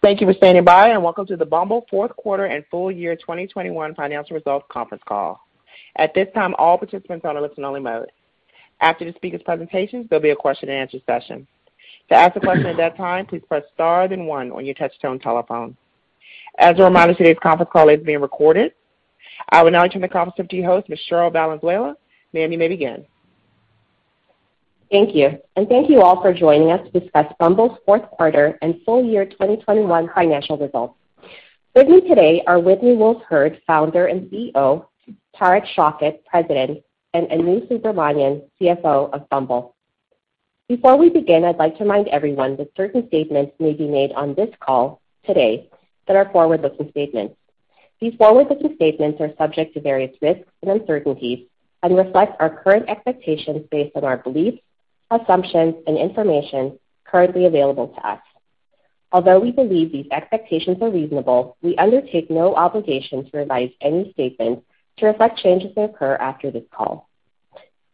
Thank you for standing by, and welcome to the Bumble Fourth Quarter and Full Year 2021 Financial Results Conference Call. At this time, all participants are on a listen-only mode. After the speakers' presentations, there'll be a question-and-answer session. To ask a question at that time, please press star then one on your touchtone telephone. As a reminder, today's conference call is being recorded. I will now turn the conference over to your host, Ms. Cherryl Valenzuela. Ma'am, you may begin. Thank you. Thank you all for joining us to discuss Bumble's fourth quarter and full year 2021 financial results. With me today are Whitney Wolfe Herd, Founder and CEO, Tariq Shaukat, President, and Anu Subramanian, CFO of Bumble. Before we begin, I'd like to remind everyone that certain statements may be made on this call today that are forward-looking statements. These forward-looking statements are subject to various risks and uncertainties and reflect our current expectations based on our beliefs, assumptions, and information currently available to us. Although we believe these expectations are reasonable, we undertake no obligation to revise any statements to reflect changes that occur after this call.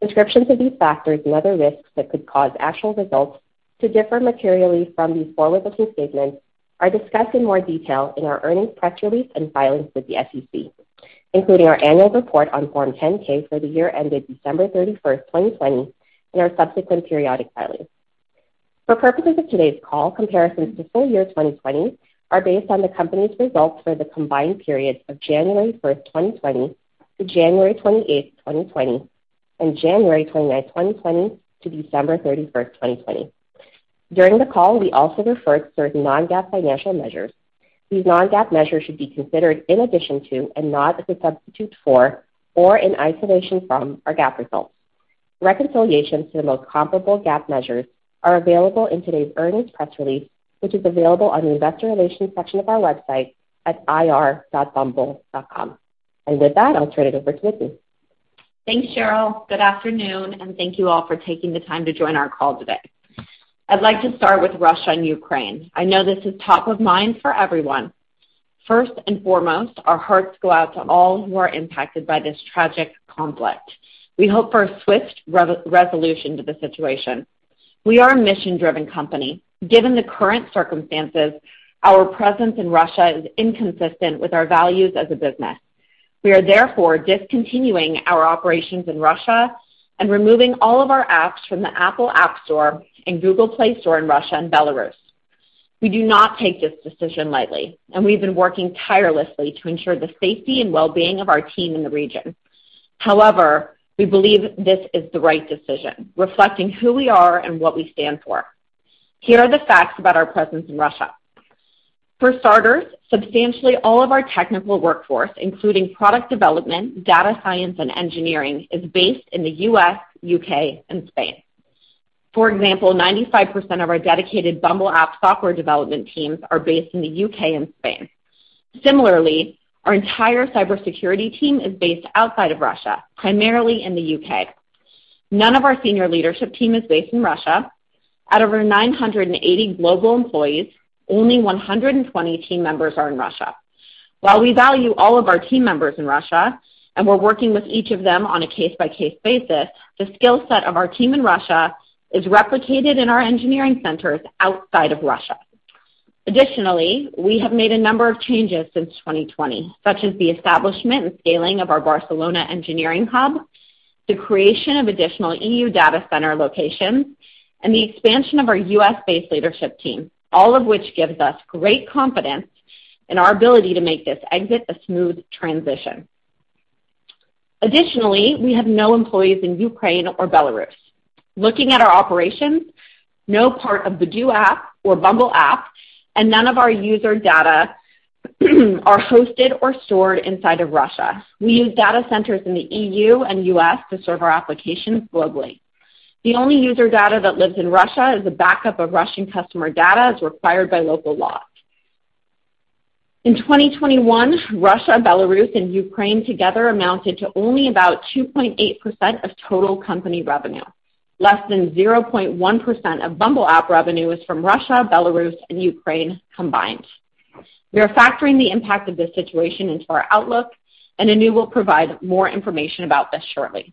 Descriptions of these factors and other risks that could cause actual results to differ materially from these forward-looking statements are discussed in more detail in our earnings press release and filings with the SEC, including our annual report on Form 10-K for the year ended December 31st, 2020, and our subsequent periodic filings. For purposes of today's call, comparisons to full year 2020 are based on the company's results for the combined periods of January 1st, 2020 to January 28th, 2020, and January 29th, 2020 to December 31st, 2020. During the call, we also refer to certain non-GAAP financial measures. These non-GAAP measures should be considered in addition to and not as a substitute for or in isolation from our GAAP results. Reconciliations to the most comparable GAAP measures are available in today's earnings press release, which is available on the investor relations section of our website at ir.bumble.com. With that, I'll turn it over to Whitney. Thanks, Cherryl. Good afternoon, and thank you all for taking the time to join our call today. I'd like to start with Russia and Ukraine. I know this is top of mind for everyone. First and foremost, our hearts go out to all who are impacted by this tragic conflict. We hope for a swift resolution to the situation. We are a mission-driven company. Given the current circumstances, our presence in Russia is inconsistent with our values as a business. We are therefore discontinuing our operations in Russia and removing all of our apps from the App Store and Google Play Store in Russia and Belarus. We do not take this decision lightly, and we've been working tirelessly to ensure the safety and well-being of our team in the region. However, we believe this is the right decision, reflecting who we are and what we stand for. Here are the facts about our presence in Russia. For starters, substantially all of our technical workforce, including product development, data science, and engineering, is based in the U.S., U.K., and Spain. For example, 95% of our dedicated Bumble app software development teams are based in the U.K. and Spain. Similarly, our entire cybersecurity team is based outside of Russia, primarily in the U.K. None of our senior leadership team is based in Russia. At over 980 global employees, only 120 team members are in Russia. While we value all of our team members in Russia, and we're working with each of them on a case-by-case basis, the skill set of our team in Russia is replicated in our engineering centers outside of Russia. Additionally, we have made a number of changes since 2020, such as the establishment and scaling of our Barcelona engineering hub, the creation of additional E.U. data center locations, and the expansion of our U.S.-based leadership team, all of which gives us great confidence in our ability to make this exit a smooth transition. Additionally, we have no employees in Ukraine or Belarus. Looking at our operations, no part of the Badoo app or Bumble app and none of our user data are hosted or stored inside of Russia. We use data centers in the E.U. and U.S. to serve our applications globally. The only user data that lives in Russia is a backup of Russian customer data as required by local law. In 2021, Russia, Belarus, and Ukraine together amounted to only about 2.8% of total company revenue. Less than 0.1% of Bumble app revenue is from Russia, Belarus, and Ukraine combined. We are factoring the impact of this situation into our outlook, and Anu will provide more information about this shortly.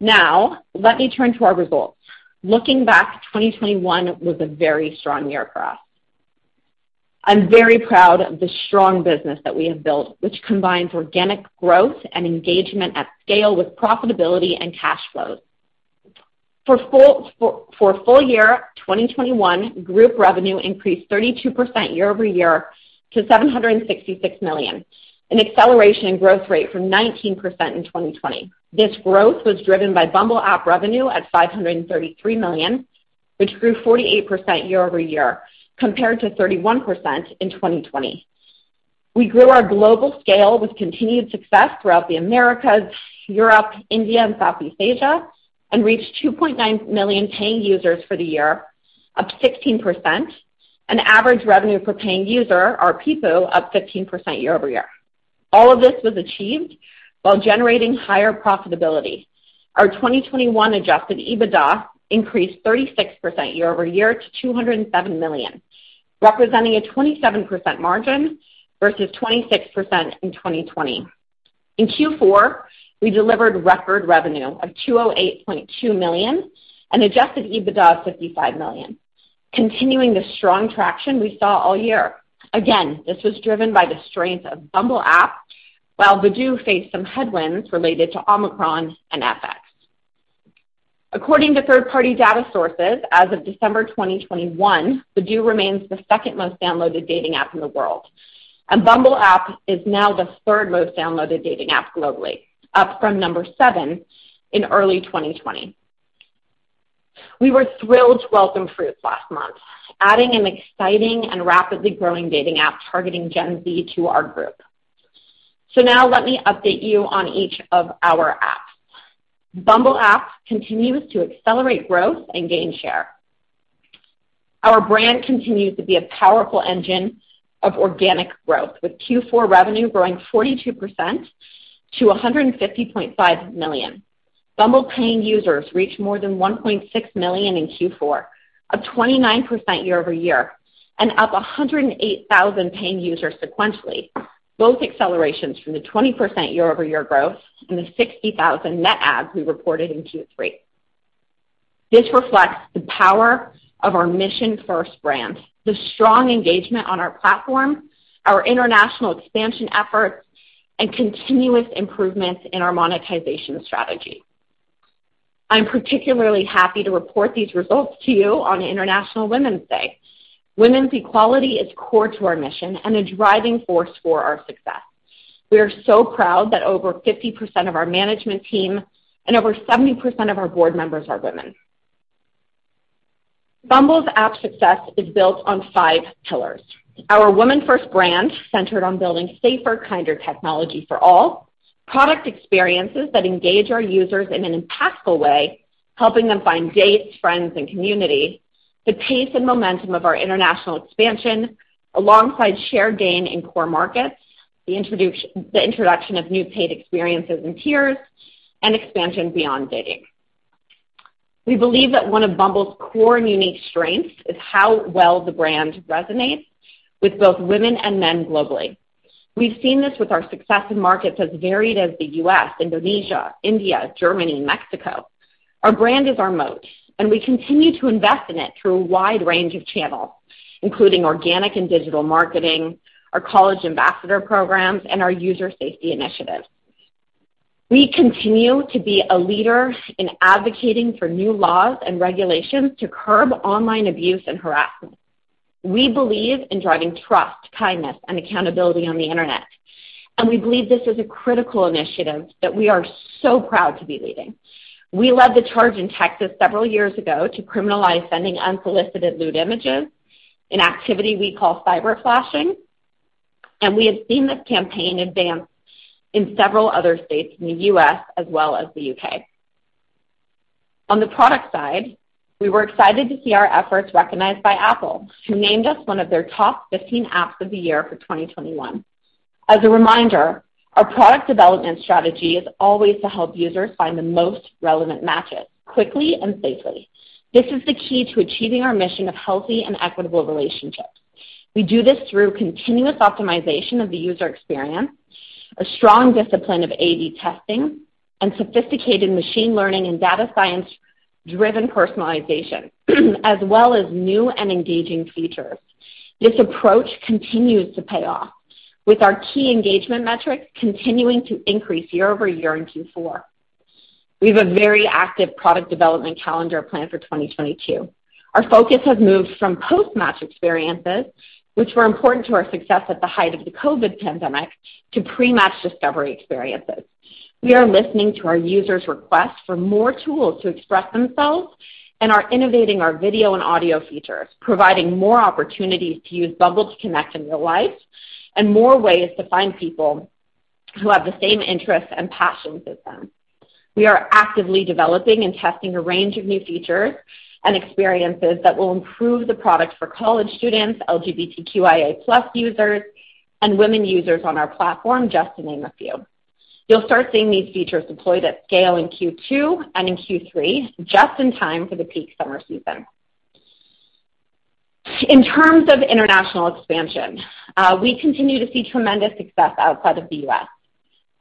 Now let me turn to our results. Looking back, 2021 was a very strong year for us. I'm very proud of the strong business that we have built, which combines organic growth and engagement at scale with profitability and cash flows. For full year 2021, group revenue increased 32% year-over-year to $766 million, an acceleration in growth rate from 19% in 2020. This growth was driven by Bumble app revenue at $533 million, which grew 48% year-over-year compared to 31% in 2020. We grew our global scale with continued success throughout the Americas, Europe, India, and Southeast Asia, and reached 2.9 million paying users for the year, up 16%, and average revenue per paying user, or PPU, up 15% year-over-year. All of this was achieved while generating higher profitability. Our 2021 adjusted EBITDA increased 36% year-over-year to $207 million, representing a 27% margin versus 26% in 2020. In Q4, we delivered record revenue of $208.2 million and adjusted EBITDA of $55 million, continuing the strong traction we saw all year. Again, this was driven by the strength of Bumble app, while Badoo faced some headwinds related to Omicron and FX. According to third-party data sources, as of December 2021, Badoo remains the second most downloaded dating app in the world, and Bumble app is now the third most downloaded dating app globally, up from number seven in early 2020. We were thrilled to welcome Fruitz last month, adding an exciting and rapidly growing dating app targeting Gen Z to our group. Now let me update you on each of our apps. Bumble app continues to accelerate growth and gain share. Our brand continues to be a powerful engine of organic growth, with Q4 revenue growing 42% to $150.5 million. Bumble paying users reached more than 1.6 million in Q4, up 29% year-over-year, and up 108,000 paying users sequentially, both accelerations from the 20% year-over-year growth and the 60,000 net adds we reported in Q3. This reflects the power of our mission-first brand, the strong engagement on our platform, our international expansion efforts, and continuous improvements in our monetization strategy. I'm particularly happy to report these results to you on International Women's Day. Women's equality is core to our mission and a driving force for our success. We are so proud that over 50% of our management team and over 70% of our board members are women. Bumble's app success is built on five pillars. Our women-first brand, centered on building safer, kinder technology for all. Product experiences that engage our users in an impactful way, helping them find dates, friends, and community. The pace and momentum of our international expansion, alongside shared gain in core markets. The introduction of new paid experiences and tiers, and expansion beyond dating. We believe that one of Bumble's core and unique strengths is how well the brand resonates with both women and men globally. We've seen this with our success in markets as varied as the U.S., Indonesia, India, Germany, Mexico. Our brand is our moat, and we continue to invest in it through a wide range of channels, including organic and digital marketing, our college ambassador programs, and our user safety initiatives. We continue to be a leader in advocating for new laws and regulations to curb online abuse and harassment. We believe in driving trust, kindness, and accountability on the internet, and we believe this is a critical initiative that we are so proud to be leading. We led the charge in Texas several years ago to criminalize sending unsolicited lewd images, an activity we call cyberflashing, and we have seen this campaign advance in several other states in the U.S. as well as the U.K. On the product side, we were excited to see our efforts recognized by Apple, who named us one of their top 15 apps of the year for 2021. As a reminder, our product development strategy is always to help users find the most relevant matches quickly and safely. This is the key to achieving our mission of healthy and equitable relationships. We do this through continuous optimization of the user experience, a strong discipline of A/B testing, and sophisticated machine learning and data science-driven personalization, as well as new and engaging features. This approach continues to pay off with our key engagement metrics continuing to increase year-over-year in Q4. We have a very active product development calendar planned for 2022. Our focus has moved from post-match experiences, which were important to our success at the height of the COVID pandemic, to pre-match discovery experiences. We are listening to our users' requests for more tools to express themselves and are innovating our video and audio features, providing more opportunities to use Bumble to connect in real life and more ways to find people who have the same interests and passions as them. We are actively developing and testing a range of new features and experiences that will improve the product for college students, LGBTQIA+ users, and women users on our platform, just to name a few. You'll start seeing these features deployed at scale in Q2 and in Q3, just in time for the peak summer season. In terms of international expansion, we continue to see tremendous success outside of the U.S.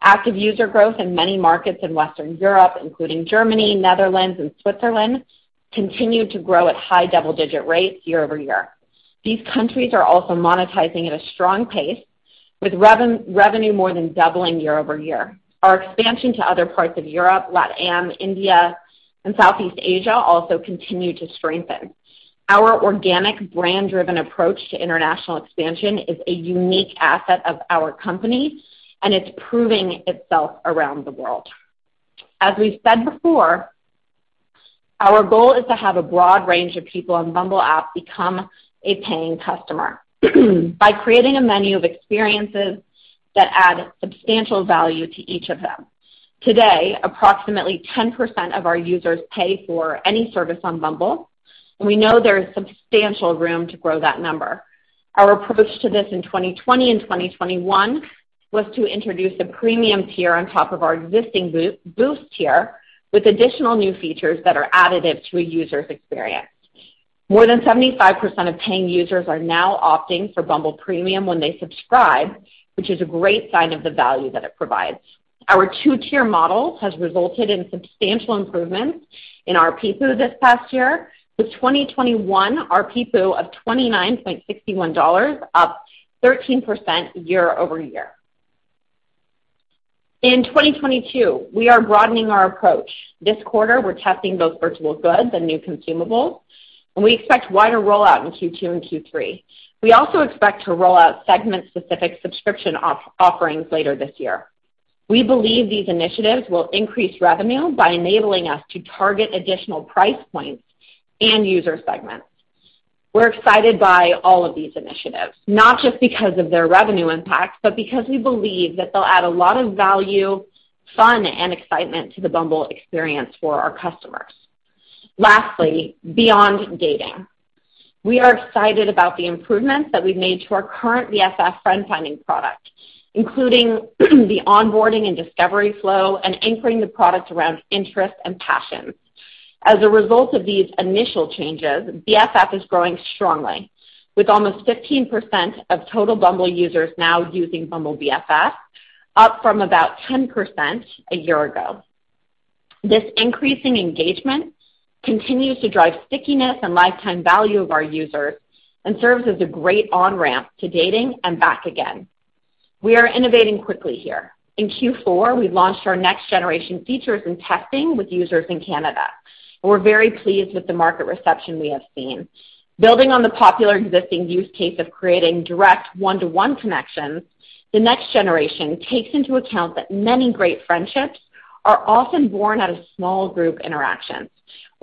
Active user growth in many markets in Western Europe, including Germany, Netherlands, and Switzerland, continued to grow at high double-digit rates year-over-year. These countries are also monetizing at a strong pace, with revenue more than doubling year-over-year. Our expansion to other parts of Europe, LatAm, India, and Southeast Asia also continue to strengthen. Our organic brand-driven approach to international expansion is a unique asset of our company, and it's proving itself around the world. As we've said before, our goal is to have a broad range of people on Bumble app become a paying customer by creating a menu of experiences that add substantial value to each of them. Today, approximately 10% of our users pay for any service on Bumble, and we know there is substantial room to grow that number. Our approach to this in 2020 and 2021 was to introduce a premium tier on top of our existing Boost tier with additional new features that are additive to a user's experience. More than 75% of paying users are now opting for Bumble Premium when they subscribe, which is a great sign of the value that it provides. Our two-tier model has resulted in substantial improvements in ARPPU this past year, with 2022 ARPU of $29.61, up 13% year-over-year. In 2022, we are broadening our approach. This quarter, we're testing both virtual goods and new consumables, and we expect wider rollout in Q2 and Q3. We also expect to roll out segment-specific subscription offerings later this year. We believe these initiatives will increase revenue by enabling us to target additional price points and user segments. We're excited by all of these initiatives, not just because of their revenue impact, but because we believe that they'll add a lot of value, fun, and excitement to the Bumble experience for our customers. Lastly, beyond dating, we are excited about the improvements that we've made to our current BFF friend-finding product, including the onboarding and discovery flow and anchoring the product around interest and passion. As a result of these initial changes, BFF is growing strongly, with almost 15% of total Bumble users now using Bumble BFF, up from about 10% a year ago. This increasing engagement continues to drive stickiness and lifetime value of our users and serves as a great on-ramp to dating and back again. We are innovating quickly here. In Q4, we launched our next-generation features in testing with users in Canada. We're very pleased with the market reception we have seen. Building on the popular existing use case of creating direct one-to-one connections, the next generation takes into account that many great friendships are often born out of small group interactions.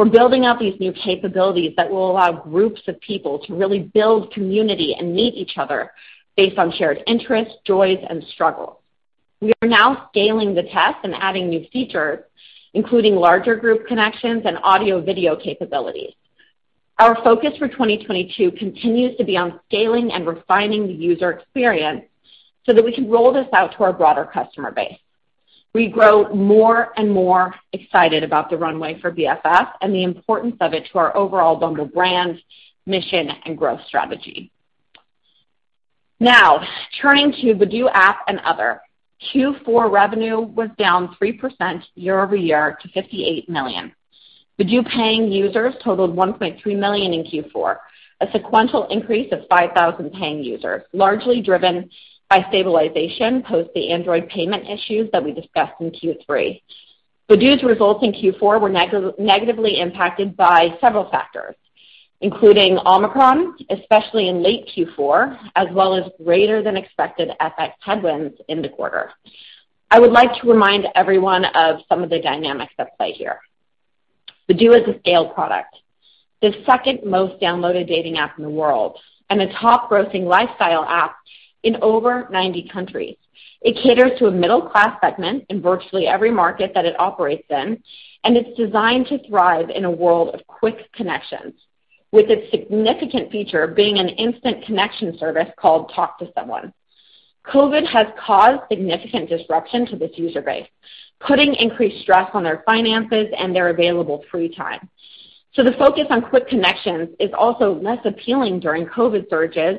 We're building out these new capabilities that will allow groups of people to really build community and meet each other based on shared interests, joys, and struggles. We are now scaling the test and adding new features, including larger group connections and audio-video capabilities. Our focus for 2022 continues to be on scaling and refining the user experience so that we can roll this out to our broader customer base. We grow more and more excited about the runway for BFF and the importance of it to our overall Bumble brand, mission, and growth strategy. Now, turning to Badoo app and other. Q4 revenue was down 3% year-over-year to $58 million. Badoo paying users totaled 1.3 million in Q4, a sequential increase of 5,000 paying users, largely driven by stabilization post the Android payment issues that we discussed in Q3. Badoo's results in Q4 were negatively impacted by several factors, including Omicron, especially in late Q4, as well as greater than expected FX headwinds in the quarter. I would like to remind everyone of some of the dynamics at play here. Badoo is a scale product, the second most downloaded dating app in the world and a top-grossing lifestyle app in over 90 countries. It caters to a middle-class segment in virtually every market that it operates in, and it's designed to thrive in a world of quick connections, with its significant feature being an instant connection service called Talk to Someone. COVID has caused significant disruption to this user base, putting increased stress on their finances and their available free time. The focus on quick connections is also less appealing during COVID surges,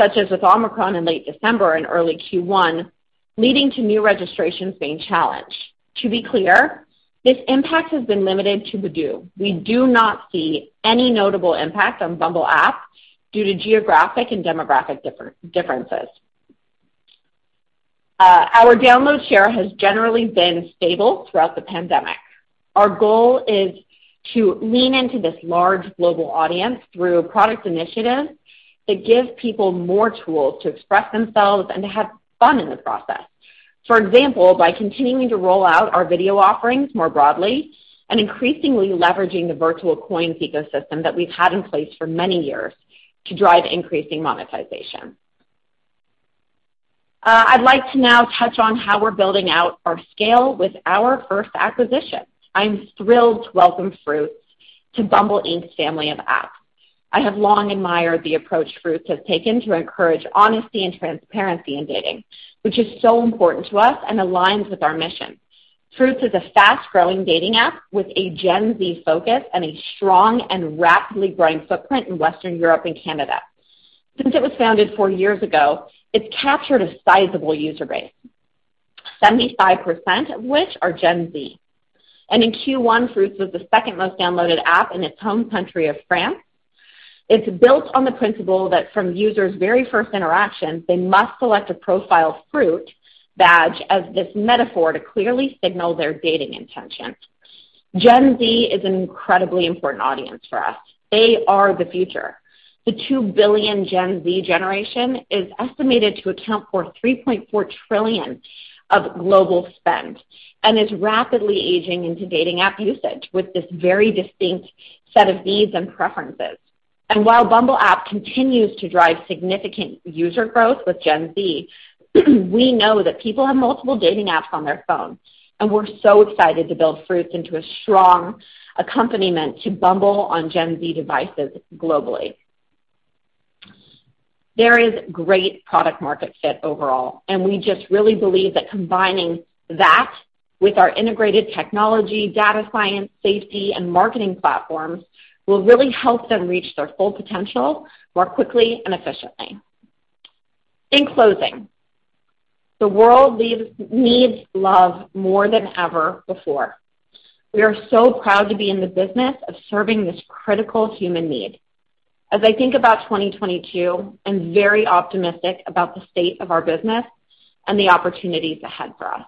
such as with Omicron in late December and early Q1, leading to new registrations being challenged. To be clear, this impact has been limited to Badoo. We do not see any notable impact on Bumble app due to geographic and demographic differences. Our download share has generally been stable throughout the pandemic. Our goal is to lean into this large global audience through product initiatives that give people more tools to express themselves and to have fun in the process. For example, by continuing to roll out our video offerings more broadly and increasingly leveraging the virtual coins ecosystem that we've had in place for many years to drive increasing monetization. I'd like to now touch on how we're building out our scale with our first acquisition. I'm thrilled to welcome Fruitz to Bumble Inc.'s family of apps. I have long admired the approach Fruitz has taken to encourage honesty and transparency in dating, which is so important to us and aligns with our mission. Fruitz is a fast-growing dating app with a Gen Z focus and a strong and rapidly growing footprint in Western Europe and Canada. Since it was founded four years ago, it's captured a sizable user base, 75% of which are Gen Z. In Q1, Fruitz was the second most downloaded app in its home country of France. It's built on the principle that from users' very first interaction, they must select a profile fruit badge as this metaphor to clearly signal their dating intention. Gen Z is an incredibly important audience for us. They are the future. The 2 billion Gen Z generation is estimated to account for $3.4 trillion of global spend and is rapidly aging into dating app usage with this very distinct set of needs and preferences. While Bumble app continues to drive significant user growth with Gen Z, we know that people have multiple dating apps on their phone, and we're so excited to build Fruitz into a strong accompaniment to Bumble on Gen Z devices globally. There is great product market fit overall, and we just really believe that combining that with our integrated technology, data science, safety, and marketing platforms will really help them reach their full potential more quickly and efficiently. In closing, the world lives, needs love more than ever before. We are so proud to be in the business of serving this critical human need. As I think about 2022, I'm very optimistic about the state of our business and the opportunities ahead for us.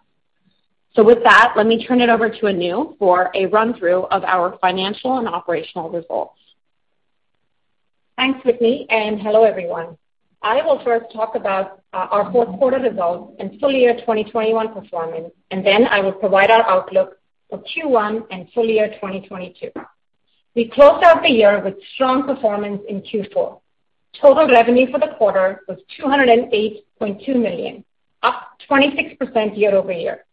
With that, let me turn it over to Anu for a run-through of our financial and operational results. Thanks, Whitney, and hello, everyone. I will first talk about our fourth quarter results and full year 2021 performance, and then I will provide our outlook for Q1 and full year 2022. We closed out the year with strong performance in Q4. Total revenue for the quarter was $208.2 million, up 26% year-over-year.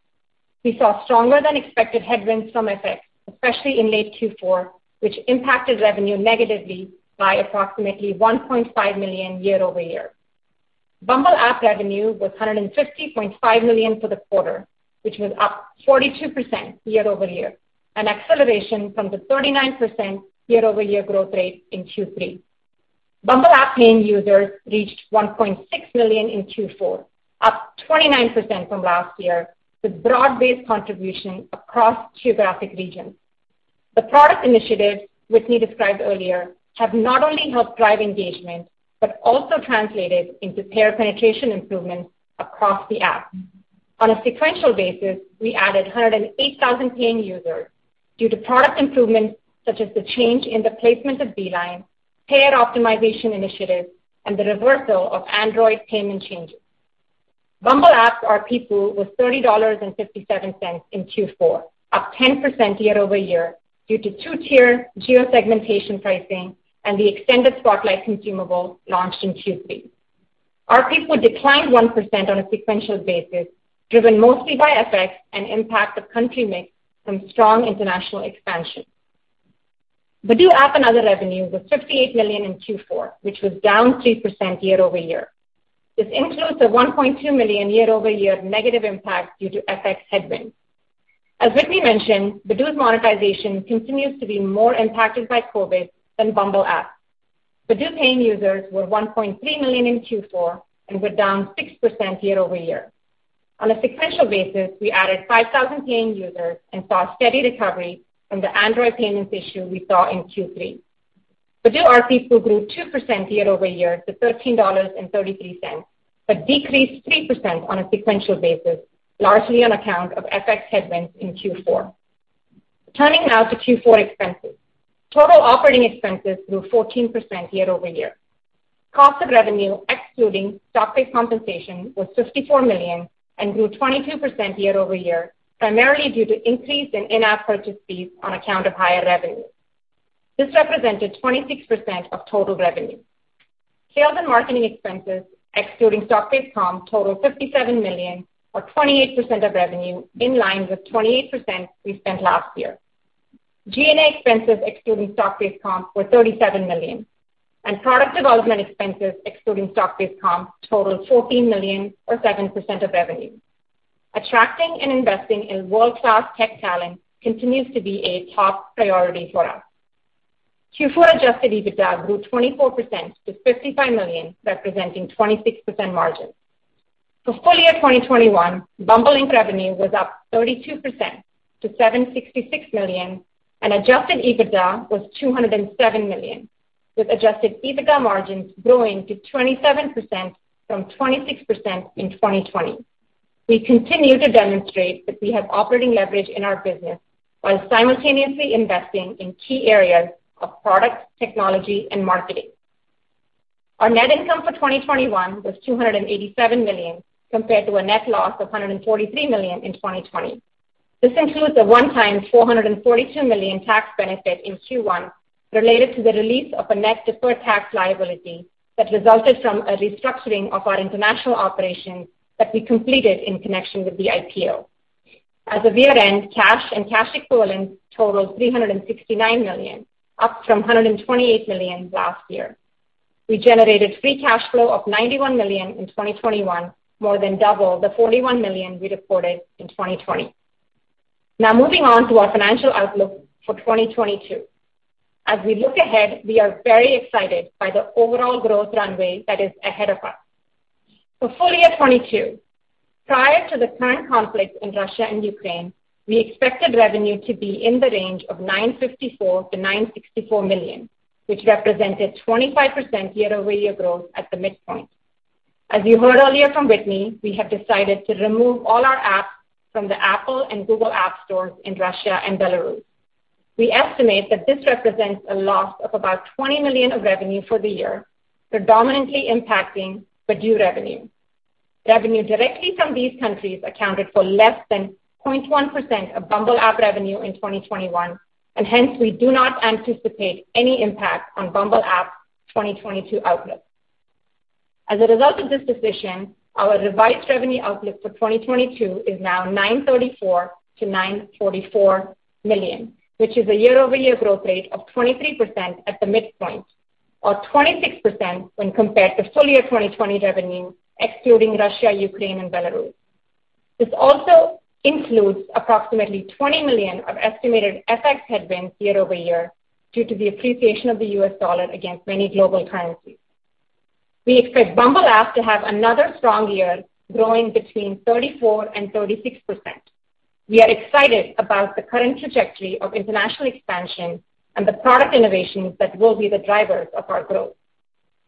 We saw stronger than expected headwinds from FX effects, especially in late Q4, which impacted revenue negatively by approximately $1.5 million year-over-year. Bumble App revenue was $150.5 million for the quarter, which was up 42% year-over-year, an acceleration from the 39% year-over-year growth rate in Q3. Bumble App paying users reached 1.6 million in Q4, up 29% from last year, with broad-based contribution across geographic regions. The product initiatives Whitney described earlier have not only helped drive engagement, but also translated into payer penetration improvements across the app. On a sequential basis, we added 108,000 paying users due to product improvements such as the change in the placement of Beeline, payer optimization initiatives, and the reversal of Android payment changes. Bumble App's ARPPU was $30.57 in Q4, up 10% year-over-year due to two-tier geo-segmentation pricing and the extended Spotlight consumable launched in Q3. Our ARPPU declined 1% on a sequential basis, driven mostly by FX effects and impact of country mix from strong international expansion. Badoo app and Other revenue was $58 million in Q4, which was down 3% year-over-year. This includes a $1.2 million year-over-year negative impact due to FX headwinds. As Whitney mentioned, Badoo's monetization continues to be more impacted by COVID than Bumble app. Badoo paying users were 1.3 million in Q4 and were down 6% year-over-year. On a sequential basis, we added 5,000 paying users and saw steady recovery from the Android payments issue we saw in Q3. Badoo ARPPU grew 2% year-over-year to $13.33, but decreased 3% on a sequential basis, largely on account of FX headwinds in Q4. Turning now to Q4 expenses. Total operating expenses grew 14% year-over-year. Cost of revenue excluding stock-based compensation was $54 million and grew 22% year-over-year, primarily due to increase in in-app purchase fees on account of higher revenue. This represented 26% of total revenue. Sales and marketing expenses excluding stock-based comp totaled $57 million or 28% of revenue, in line with 28% we spent last year. G&A expenses excluding stock-based comp were $37 million, and product development expenses excluding stock-based comp totaled $14 million or 7% of revenue. Attracting and investing in world-class tech talent continues to be a top priority for us. Q4 adjusted EBITDA grew 24% to $55 million, representing 26% margins. For full year 2021, Bumble Inc. revenue was up 32% to $766 million, and adjusted EBITDA was $207 million, with adjusted EBITDA margins growing to 27% from 26% in 2020. We continue to demonstrate that we have operating leverage in our business while simultaneously investing in key areas of product, technology, and marketing. Our net income for 2021 was $287 million, compared to a net loss of $143 million in 2020. This includes a one-time $442 million tax benefit in Q1 related to the release of a net deferred tax liability that resulted from a restructuring of our international operations that we completed in connection with the IPO. At the year-end, cash and cash equivalents totaled $369 million, up from $128 million last year. We generated free cash flow of $91 million in 2021, more than double the $41 million we reported in 2020. Now moving on to our financial outlook for 2022. As we look ahead, we are very excited by the overall growth runway that is ahead of us. For full year 2022, prior to the current conflict in Russia and Ukraine, we expected revenue to be in the range of $954 million-$964 million, which represented 25% year-over-year growth at the midpoint. As you heard earlier from Whitney, we have decided to remove all our apps from the Apple and Google app stores in Russia and Belarus. We estimate that this represents a loss of about $20 million of revenue for the year, predominantly impacting Badoo revenue. Revenue directly from these countries accounted for less than 0.1% of Bumble app revenue in 2021, and hence we do not anticipate any impact on Bumble app's 2022 outlook. As a result of this decision, our revised revenue outlook for 2022 is now $934 million-$944 million, which is a year-over-year growth rate of 23% at the midpoint, or 26% when compared to full year 2020 revenue excluding Russia, Ukraine, and Belarus. This also includes approximately $20 million of estimated FX headwinds year-over-year due to the appreciation of the U.S. dollar against many global currencies. We expect Bumble app to have another strong year, growing between 34%-36%. We are excited about the current trajectory of international expansion and the product innovations that will be the drivers of our growth.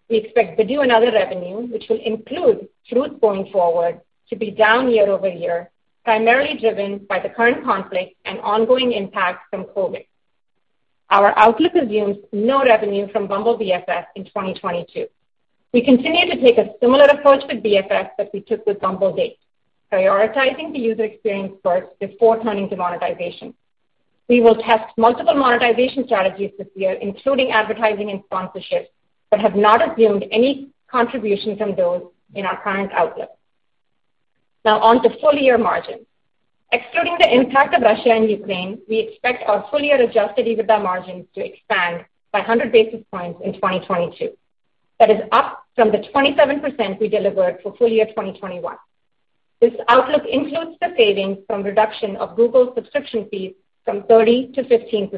We expect Badoo and other revenue, which will include Fruitz going forward, to be down year-over-year, primarily driven by the current conflict and ongoing impacts from COVID. Our outlook assumes no revenue from Bumble BFF in 2022. We continue to take a similar approach with BFF that we took with Bumble Date, prioritizing the user experience first before turning to monetization. We will test multiple monetization strategies this year, including advertising and sponsorships, but have not assumed any contribution from those in our current outlook. Now on to full-year margin. Excluding the impact of Russia and Ukraine, we expect our full-year adjusted EBITDA margins to expand by 100 basis points in 2022. That is up from the 27% we delivered for full year 2021. This outlook includes the savings from reduction of Google subscription fees from 30% to 15%.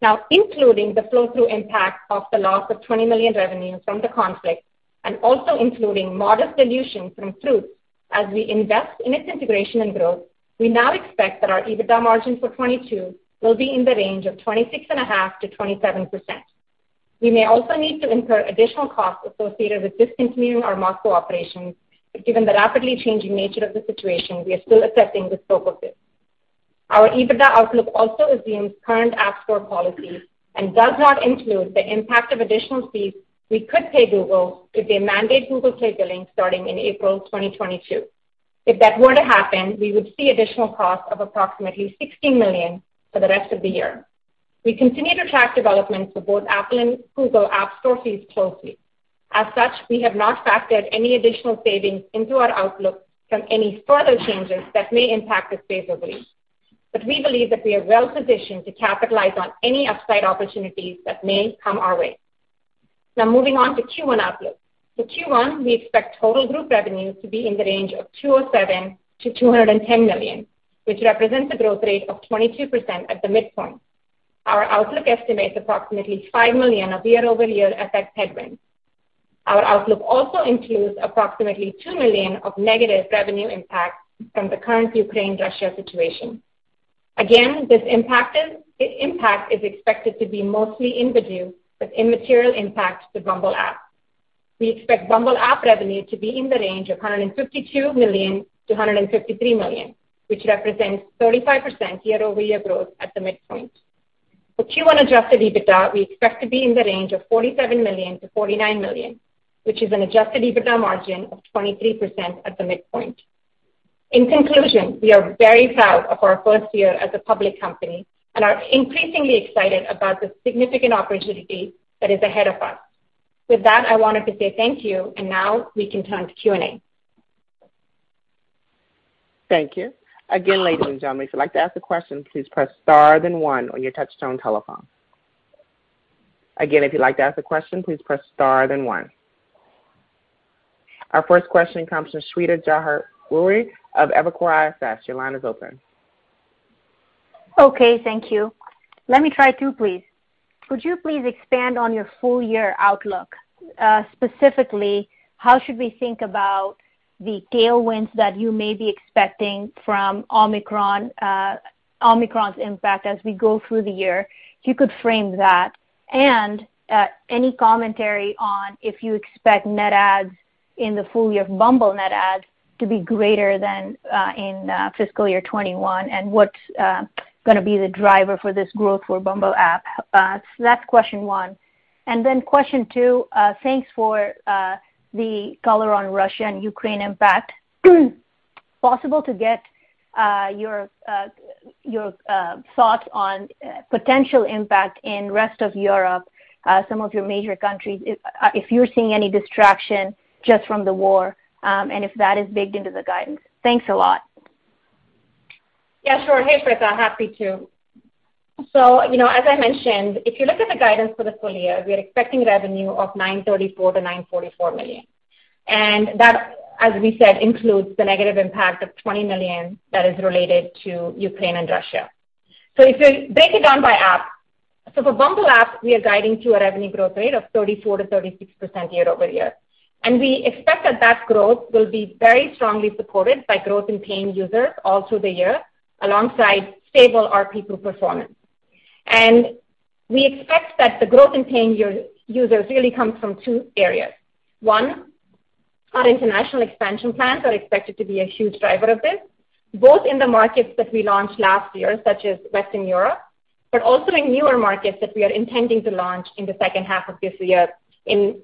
Now, including the flow-through impact of the loss of $20 million revenue from the conflict and also including modest dilution from Fruitz as we invest in its integration and growth, we now expect that our EBITDA margin for 2022 will be in the range of 26.5%-27%. We may also need to incur additional costs associated with discontinuing our Moscow operations, but given the rapidly changing nature of the situation, we are still assessing the scope of this. Our EBITDA outlook also assumes current App Store policies and does not include the impact of additional fees we could pay Google if they mandate Google Play billing starting in April 2022. If that were to happen, we would see additional costs of approximately $16 million for the rest of the year. We continue to track developments for both Apple and Google app store fees closely. As such, we have not factored any additional savings into our outlook from any further changes that may impact us favorably. We believe that we are well-positioned to capitalize on any upside opportunities that may come our way. Now moving on to Q1 outlook. For Q1, we expect total group revenue to be in the range of $207 million-$210 million, which represents a growth rate of 22% at the midpoint. Our outlook estimates approximately $5 million of year-over-year FX headwind. Our outlook also includes approximately $2 million of negative revenue impact from the current Ukraine-Russia situation. Again, this impact is expected to be mostly in Badoo, with immaterial impact to Bumble app. We expect Bumble app revenue to be in the range of $152 million-$153 million, which represents 35% year-over-year growth at the midpoint. For Q1 adjusted EBITDA, we expect to be in the range of $47 million-$49 million, which is an adjusted EBITDA margin of 23% at the midpoint. In conclusion, we are very proud of our first year as a public company and are increasingly excited about the significant opportunity that is ahead of us. With that, I wanted to say thank you, and now we can turn to Q&A. Thank you. Again, ladies and gentlemen, if you'd like to ask a question, please press star then one on your touchtone telephone. Again, if you'd like to ask a question, please press star then one. Our first question comes from Shweta Khajuria of Evercore ISI. Your line is open. Okay, thank you. Let me try two, please. Could you please expand on your full-year outlook? Specifically, how should we think about the tailwinds that you may be expecting from Omicron's impact as we go through the year? If you could frame that. Any commentary on if you expect net adds in the full year of Bumble net adds to be greater than in fiscal year 2021, and what's gonna be the driver for this growth for Bumble app? That's question one. Question two, thanks for the color on Russia and Ukraine impact. Possible to get your thoughts on potential impact in rest of Europe, some of your major countries, if you're seeing any distraction just from the war, and if that is baked into the guidance. Thanks a lot. Yeah, sure. Hey, Shweta. Happy to. You know, as I mentioned, if you look at the guidance for the full year, we are expecting revenue of $934 million-$944 million. That, as we said, includes the negative impact of $20 million that is related to Ukraine and Russia. If you break it down by app, for Bumble app, we are guiding to a revenue growth rate of 34%-36% year-over-year. We expect that that growth will be very strongly supported by growth in paying users all through the year, alongside stable ARPPU performance. We expect that the growth in paying users really comes from two areas. One, our international expansion plans are expected to be a huge driver of this, both in the markets that we launched last year, such as Western Europe, but also in newer markets that we are intending to launch in the second half of this year in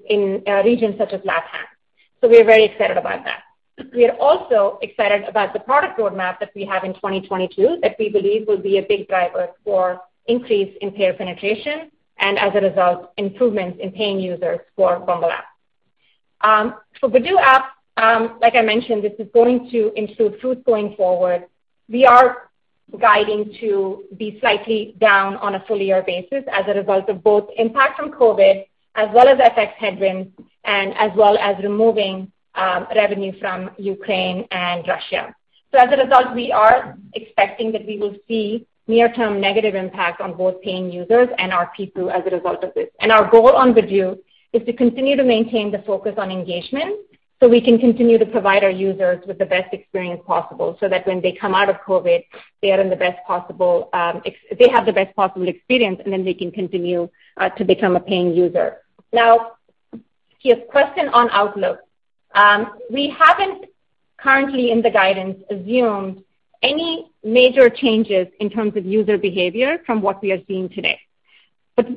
regions such as LatAm. We are very excited about that. We are also excited about the product roadmap that we have in 2022, that we believe will be a big driver for increase in payer penetration and, as a result, improvements in paying users for Bumble app. For Badoo app, like I mentioned, this is going to include Fruitz going forward. We are guiding to be slightly down on a full year basis as a result of both impact from COVID, as well as FX headwinds, and as well as removing revenue from Ukraine and Russia. As a result, we are expecting that we will see near term negative impact on both paying users and our people as a result of this. Our goal on Badoo is to continue to maintain the focus on engagement, so we can continue to provide our users with the best experience possible, so that when they come out of COVID, they have the best possible experience, and then they can continue to become a paying user. Now, your question on outlook. We haven't currently, in the guidance, assumed any major changes in terms of user behavior from what we are seeing today.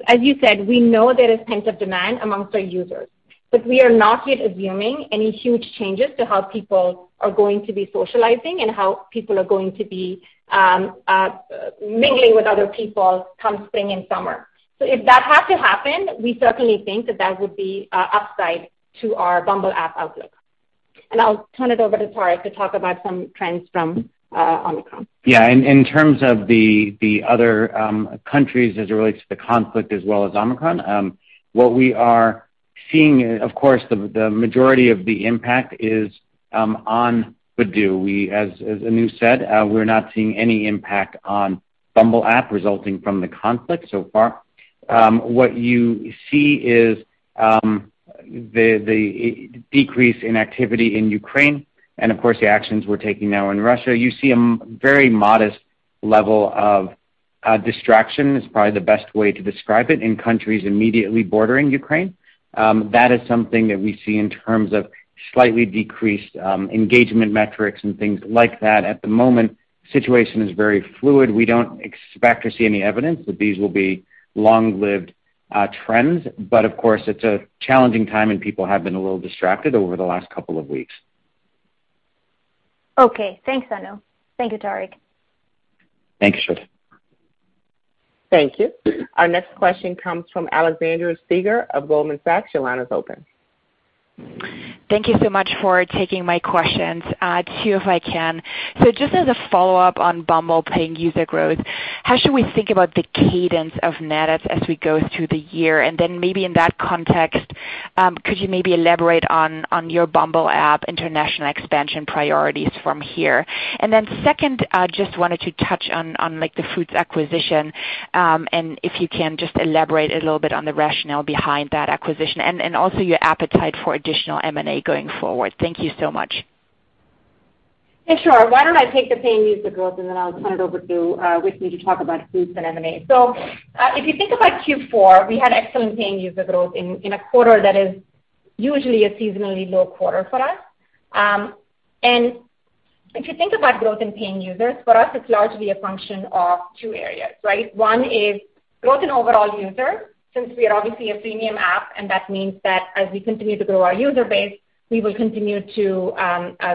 As you said, we know there is pent-up demand amongst our users. We are not yet assuming any huge changes to how people are going to be socializing and how people are going to be, mingling with other people come spring and summer. If that had to happen, we certainly think that would be upside to our Bumble app outlook. I'll turn it over to Tariq to talk about some trends from Omicron. In terms of the other countries as it relates to the conflict as well as Omicron, what we are seeing, of course, the majority of the impact is on Badoo. As Anu said, we're not seeing any impact on Bumble app resulting from the conflict so far. What you see is the decrease in activity in Ukraine and, of course, the actions we're taking now in Russia. You see a very modest level of distraction, is probably the best way to describe it, in countries immediately bordering Ukraine. That is something that we see in terms of slightly decreased engagement metrics and things like that. At the moment, situation is very fluid. We don't expect or see any evidence that these will be long-lived trends. Of course, it's a challenging time, and people have been a little distracted over the last couple of weeks. Okay. Thanks, Anu. Thank you, Tariq. Thanks, Shweta. Thank you. Our next question comes from Alexandra Steiger of Goldman Sachs. Your line is open. Thank you so much for taking my questions. Two, if I can. Just as a follow-up on Bumble paying user growth, how should we think about the cadence of net adds as we go through the year? Then maybe in that context, could you maybe elaborate on your Bumble app international expansion priorities from here? Then second, I just wanted to touch on, like the Fruitz acquisition, and if you can just elaborate a little bit on the rationale behind that acquisition and also your appetite for additional M&A going forward. Thank you so much. Yeah, sure. Why don't I take the paying user growth, and then I'll turn it over to Whitney to talk about Fruitz and M&A. If you think about Q4, we had excellent paying user growth in a quarter that is usually a seasonally low quarter for us. If you think about growth in paying users, for us, it's largely a function of two areas, right? One is growth in overall user, since we are obviously a premium app, and that means that as we continue to grow our user base, we will continue to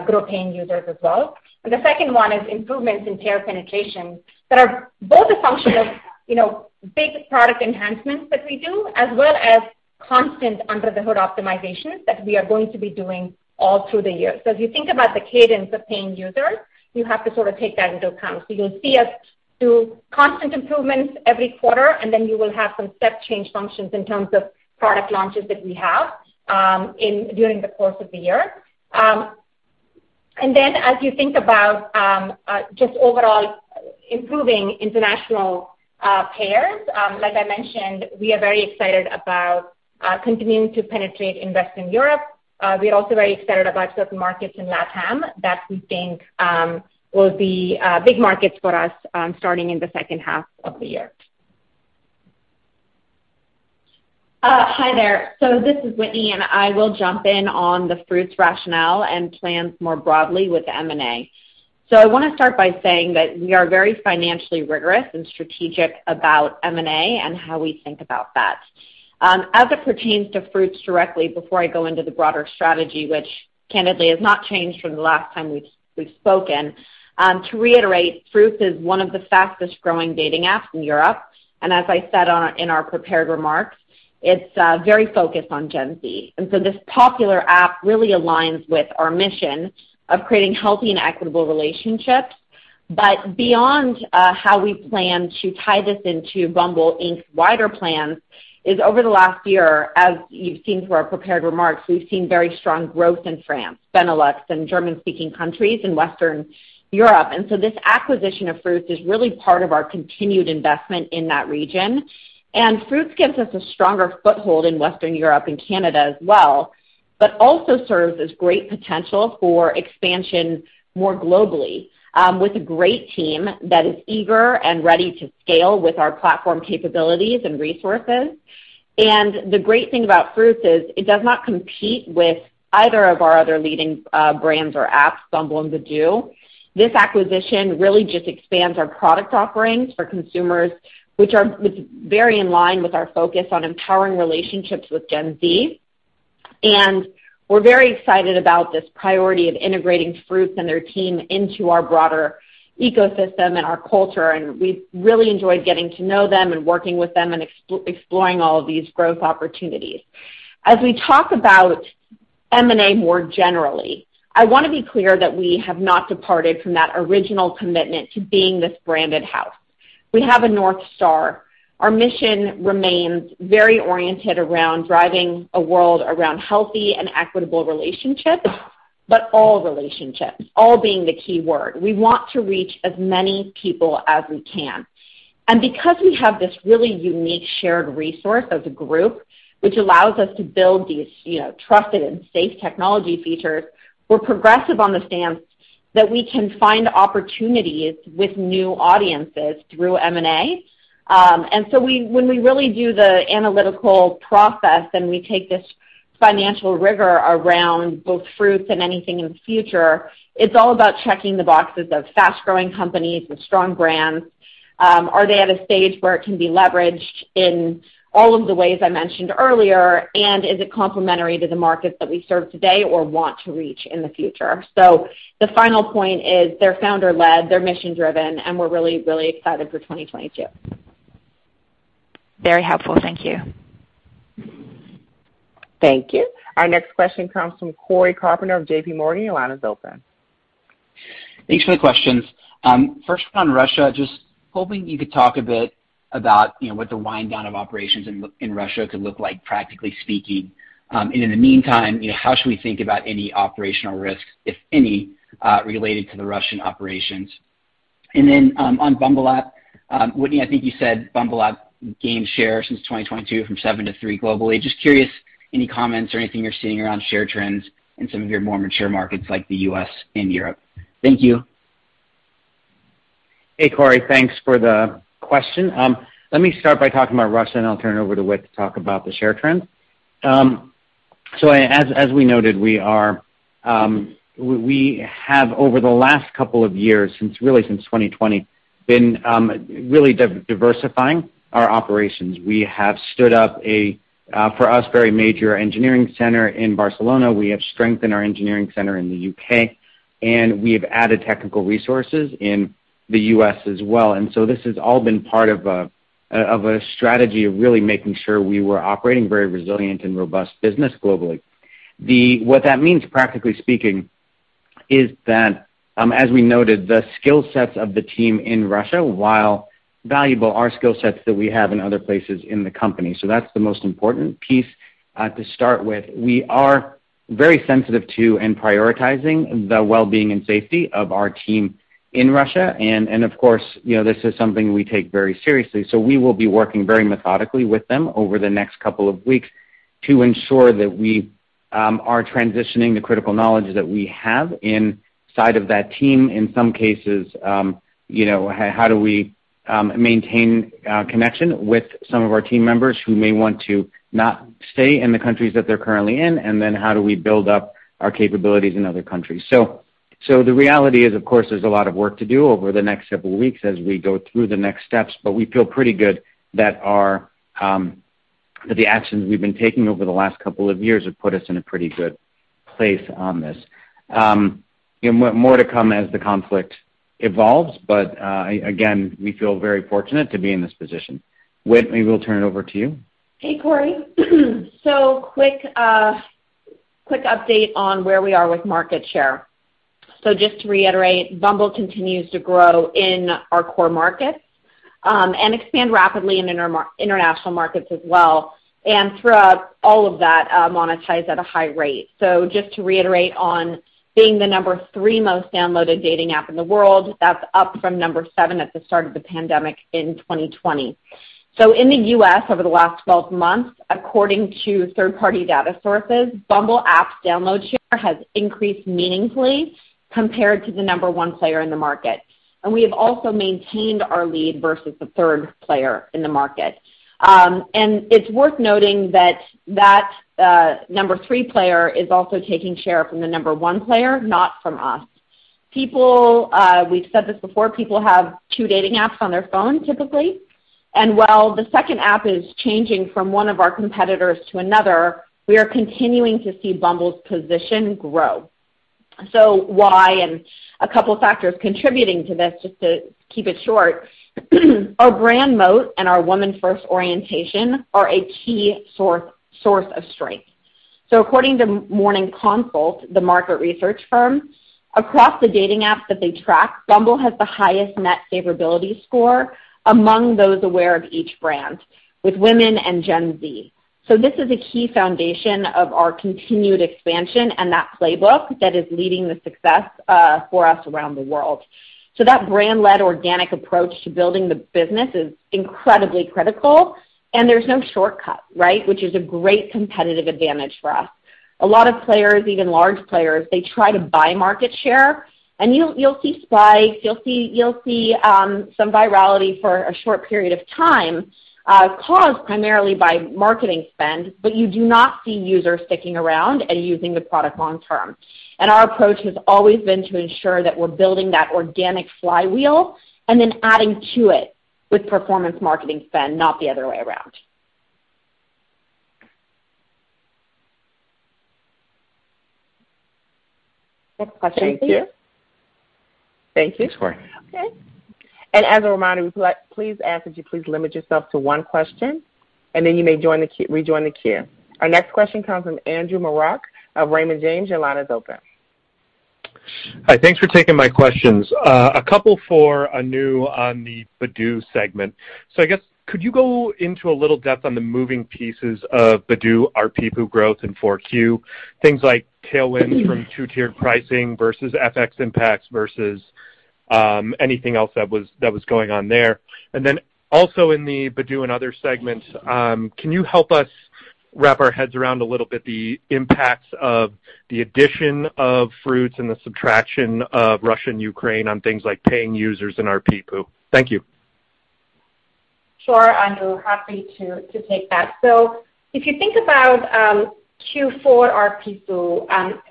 grow paying users as well. The second one is improvements in payer penetration that are both a function of, you know, big product enhancements that we do, as well as constant under-the-hood optimizations that we are going to be doing all through the year. As you think about the cadence of paying users, you have to sort of take that into account. You'll see us do constant improvements every quarter, and then you will have some step change functions in terms of product launches that we have, during the course of the year. As you think about just overall improving international payers, like I mentioned, we are very excited about continuing to penetrate Western Europe. We're also very excited about certain markets in LatAm that we think will be big markets for us, starting in the second half of the year. Hi there. This is Whitney, and I will jump in on the Fruitz rationale and plans more broadly with M&A. I wanna start by saying that we are very financially rigorous and strategic about M&A and how we think about that. As it pertains to Fruitz directly, before I go into the broader strategy, which candidly has not changed from the last time we've spoken, to reiterate, Fruitz is one of the fastest-growing dating apps in Europe. In our prepared remarks, it's very focused on Gen Z. This popular app really aligns with our mission of creating healthy and equitable relationships. Beyond how we plan to tie this into Bumble Inc.'s wider plans is over the last year, as you've seen through our prepared remarks, we've seen very strong growth in France, Benelux, and German-speaking countries in Western Europe. This acquisition of Fruitz is really part of our continued investment in that region. Fruitz gives us a stronger foothold in Western Europe and Canada as well, but also serves as great potential for expansion more globally, with a great team that is eager and ready to scale with our platform capabilities and resources. The great thing about Fruitz is it does not compete with either of our other leading brands or apps, Bumble and Badoo. This acquisition really just expands our product offerings for consumers, which is very in line with our focus on empowering relationships with Gen Z. We're very excited about this priority of integrating Fruitz and their team into our broader ecosystem and our culture, and we've really enjoyed getting to know them and working with them and exploring all of these growth opportunities. As we talk about. M&A more generally. I want to be clear that we have not departed from that original commitment to being this branded house. We have a north star. Our mission remains very oriented around driving a world around healthy and equitable relationships, but all relationships, all being the key word. We want to reach as many people as we can. Because we have this really unique shared resource as a group, which allows us to build these, you know, trusted and safe technology features, we're progressive on the stance that we can find opportunities with new audiences through M&A. When we really do the analytical process, and we take this financial rigor around both Fruitz and anything in the future, it's all about checking the boxes of fast-growing companies with strong brands. Are they at a stage where it can be leveraged in all of the ways I mentioned earlier, and is it complementary to the markets that we serve today or want to reach in the future? The final point is they're founder-led, they're mission-driven, and we're really, really excited for 2022. Very helpful. Thank you. Thank you. Our next question comes from Cory Carpenter of JPMorgan. Your line is open. Thanks for the questions. First on Russia, just hoping you could talk a bit about, you know, what the wind-down of operations in Russia could look like, practically speaking. In the meantime, you know, how should we think about any operational risks, if any, related to the Russian operations? On Bumble app, Whitney, I think you said Bumble app gained share since 2022 from seven to three globally. Just curious, any comments or anything you're seeing around share trends in some of your more mature markets like the U.S. and Europe? Thank you. Hey, Cory. Thanks for the question. Let me start by talking about Russia, and I'll turn it over to Whit to talk about the share trends. As we noted, we have, over the last couple of years, since really since 2020, been really diversifying our operations. We have stood up a, for us, very major engineering center in Barcelona, we have strengthened our engineering center in the U.K., and we have added technical resources in the U.S. as well. This has all been part of a strategy of really making sure we were operating a very resilient and robust business globally. What that means, practically speaking, is that, as we noted, the skill sets of the team in Russia, while valuable, are skill sets that we have in other places in the company. That's the most important piece to start with. We are very sensitive to and prioritizing the well-being and safety of our team in Russia. Of course, you know, this is something we take very seriously, so we will be working very methodically with them over the next couple of weeks to ensure that we are transitioning the critical knowledge that we have inside of that team. In some cases, you know, how do we maintain connection with some of our team members who may want to not stay in the countries that they're currently in, and then how do we build up our capabilities in other countries? The reality is, of course, there's a lot of work to do over the next several weeks as we go through the next steps, but we feel pretty good that the actions we've been taking over the last couple of years have put us in a pretty good place on this. You know, more to come as the conflict evolves, but again, we feel very fortunate to be in this position. Whit, maybe we'll turn it over to you. Hey, Cory. Quick update on where we are with market share. Just to reiterate, Bumble continues to grow in our core markets and expand rapidly in international markets as well, and throughout all of that, monetize at a high rate. Just to reiterate on being the number three most downloaded dating app in the world, that's up from number seven at the start of the pandemic in 2020. In the U.S. over the last 12 months, according to third-party data sources, Bumble app's download share has increased meaningfully compared to the number one player in the market. We have also maintained our lead versus the third player in the market. It's worth noting that that number three player is also taking share from the number one player, not from us. People, we've said this before, people have two dating apps on their phone typically, and while the second app is changing from one of our competitors to another, we are continuing to see Bumble's position grow. Why, and a couple factors contributing to this, just to keep it short, our brand moat and our women-first orientation are a key source of strength. According to Morning Consult, the market research firm, across the dating apps that they track, Bumble has the highest net favorability score among those aware of each brand with women and Gen Z. This is a key foundation of our continued expansion and that playbook that is leading the success, for us around the world. That brand-led organic approach to building the business is incredibly critical, and there's no shortcut, right, which is a great competitive advantage for us. A lot of players, even large players, they try to buy market share, and you'll see spikes, some virality for a short period of time, caused primarily by marketing spend, but you do not see users sticking around and using the product long term. Our approach has always been to ensure that we're building that organic flywheel and then adding to it with performance marketing spend, not the other way around. Next question. Thank you. Thank you. Thanks, Cory. Okay. As a reminder, we please ask that you please limit yourself to one question, and then you may rejoin the queue. Our next question comes from Andrew Marok of Raymond James. Your line is open. Hi. Thanks for taking my questions. A couple for Anu on the Badoo segment. I guess could you go into a little depth on the moving pieces of Badoo ARPPU growth in Q4, things like tailwinds from two-tier pricing versus FX impacts versus anything else that was going on there? Then also in the Badoo and other segments, can you help us wrap our heads around a little bit the impacts of the addition of Fruitz and the subtraction of Russia and Ukraine on things like paying users in ARPPU? Thank you. Sure, Andrew. Happy to take that. If you think about Q4 ARPPU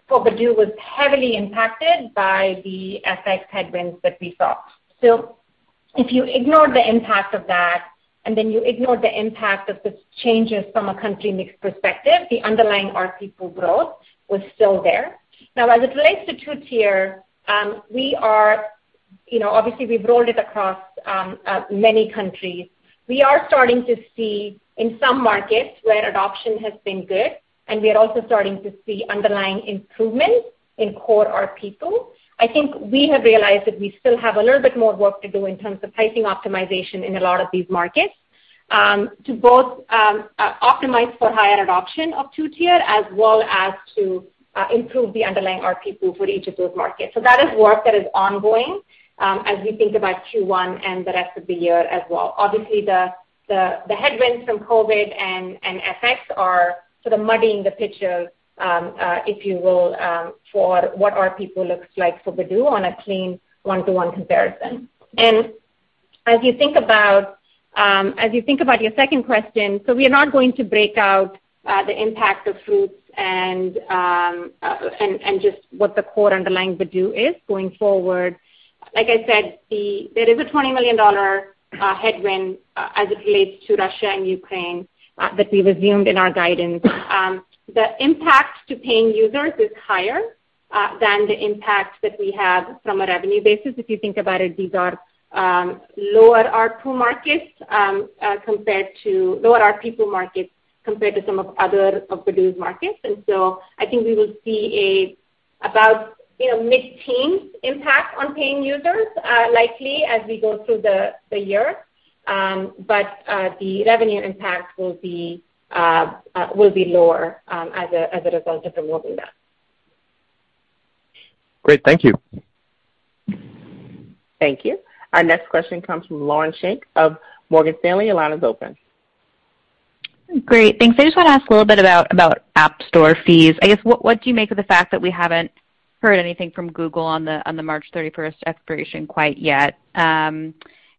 for Badoo was heavily impacted by the FX headwinds that we saw. If you ignore the impact of that and then you ignore the impact of the changes from a country mix perspective, the underlying ARPPU growth was still there. Now, as it relates to two-tier, we are, you know, obviously we've rolled it across many countries. We are starting to see in some markets where adoption has been good, and we are also starting to see underlying improvements in core ARPPU. I think we have realized that we still have a little bit more work to do in terms of pricing optimization in a lot of these markets, to both, optimize for higher adoption of two tier as well as to, improve the underlying ARPPU for each of those markets. That is work that is ongoing, as we think about Q1 and the rest of the year as well. Obviously, the headwinds from COVID and FX are sort of muddying the picture, if you will, for what ARPPU looks like for Badoo on a clean one-to-one comparison. As you think about your second question, we are not going to break out, the impact of Fruitz and just what the core underlying Badoo is going forward. Like I said, there is a $20 million headwind as it relates to Russia and Ukraine that we assumed in our guidance. The impact to paying users is higher than the impact that we have from a revenue basis. If you think about it, these are lower ARPPU markets compared to some other Badoo's markets. I think we will see about, you know, mid-teens impact on paying users likely as we go through the year. The revenue impact will be lower as a result of the war with Russia. Great. Thank you. Thank you. Our next question comes from Lauren Schenk of Morgan Stanley. Your line is open. Great. Thanks. I just want to ask a little bit about app store fees. I guess, what do you make of the fact that we haven't heard anything from Google on the March 31st expiration quite yet?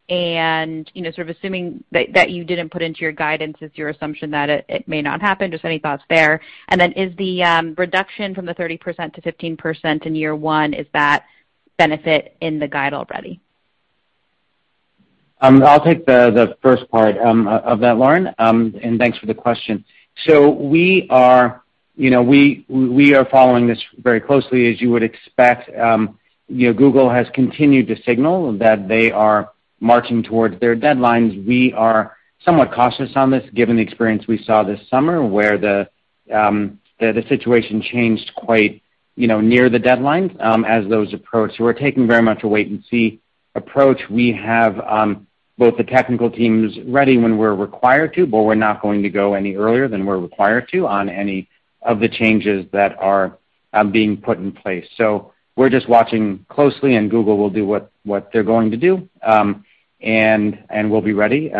You know, sort of assuming that you didn't put into your guidance, is your assumption that it may not happen. Just any thoughts there. Then is the reduction from the 30% to 15% in year one, is that benefit in the guide already? I'll take the first part of that, Lauren, and thanks for the question. We are, you know, we are following this very closely, as you would expect. You know, Google has continued to signal that they are marching towards their deadlines. We are somewhat cautious on this given the experience we saw this summer, where the situation changed quite, you know, near the deadline, as those approached. We're taking very much a wait and see approach. We have both the technical teams ready when we're required to, but we're not going to go any earlier than we're required to on any of the changes that are being put in place. We're just watching closely and Google will do what they're going to do, and we'll be ready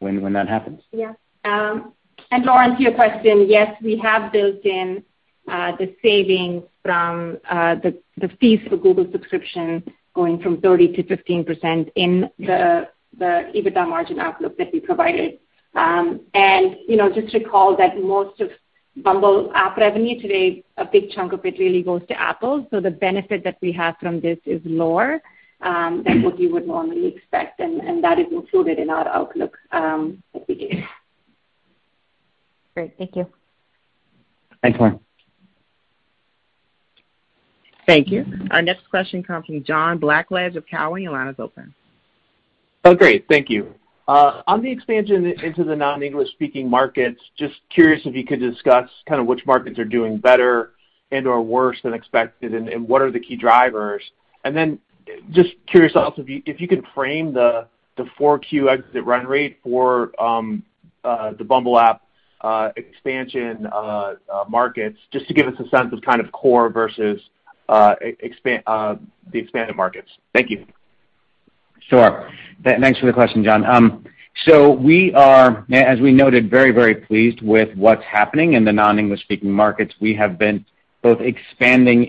when that happens. Yeah. Lauren, to your question, yes, we have built in the savings from the fees for Google subscription going from 30%-15% in the EBITDA margin outlook that we provided. You know, just to call that most of Bumble app revenue today, a big chunk of it really goes to Apple. The benefit that we have from this is lower than what you would normally expect, and that is included in our outlook at the gate. Great. Thank you. Thanks, Lauren. Thank you. Our next question comes from John Blackledge of Cowen. Your line is open. Oh, great. Thank you. On the expansion into the non-English speaking markets, just curious if you could discuss kind of which markets are doing better and/or worse than expected and what are the key drivers. Just curious also if you could frame the 4Q exit run rate for the Bumble app expansion markets, just to give us a sense of kind of core versus the expanded markets. Thank you. Sure. Thanks for the question, John. So we are, as we noted, very, very pleased with what's happening in the non-English speaking markets. We have been both expanding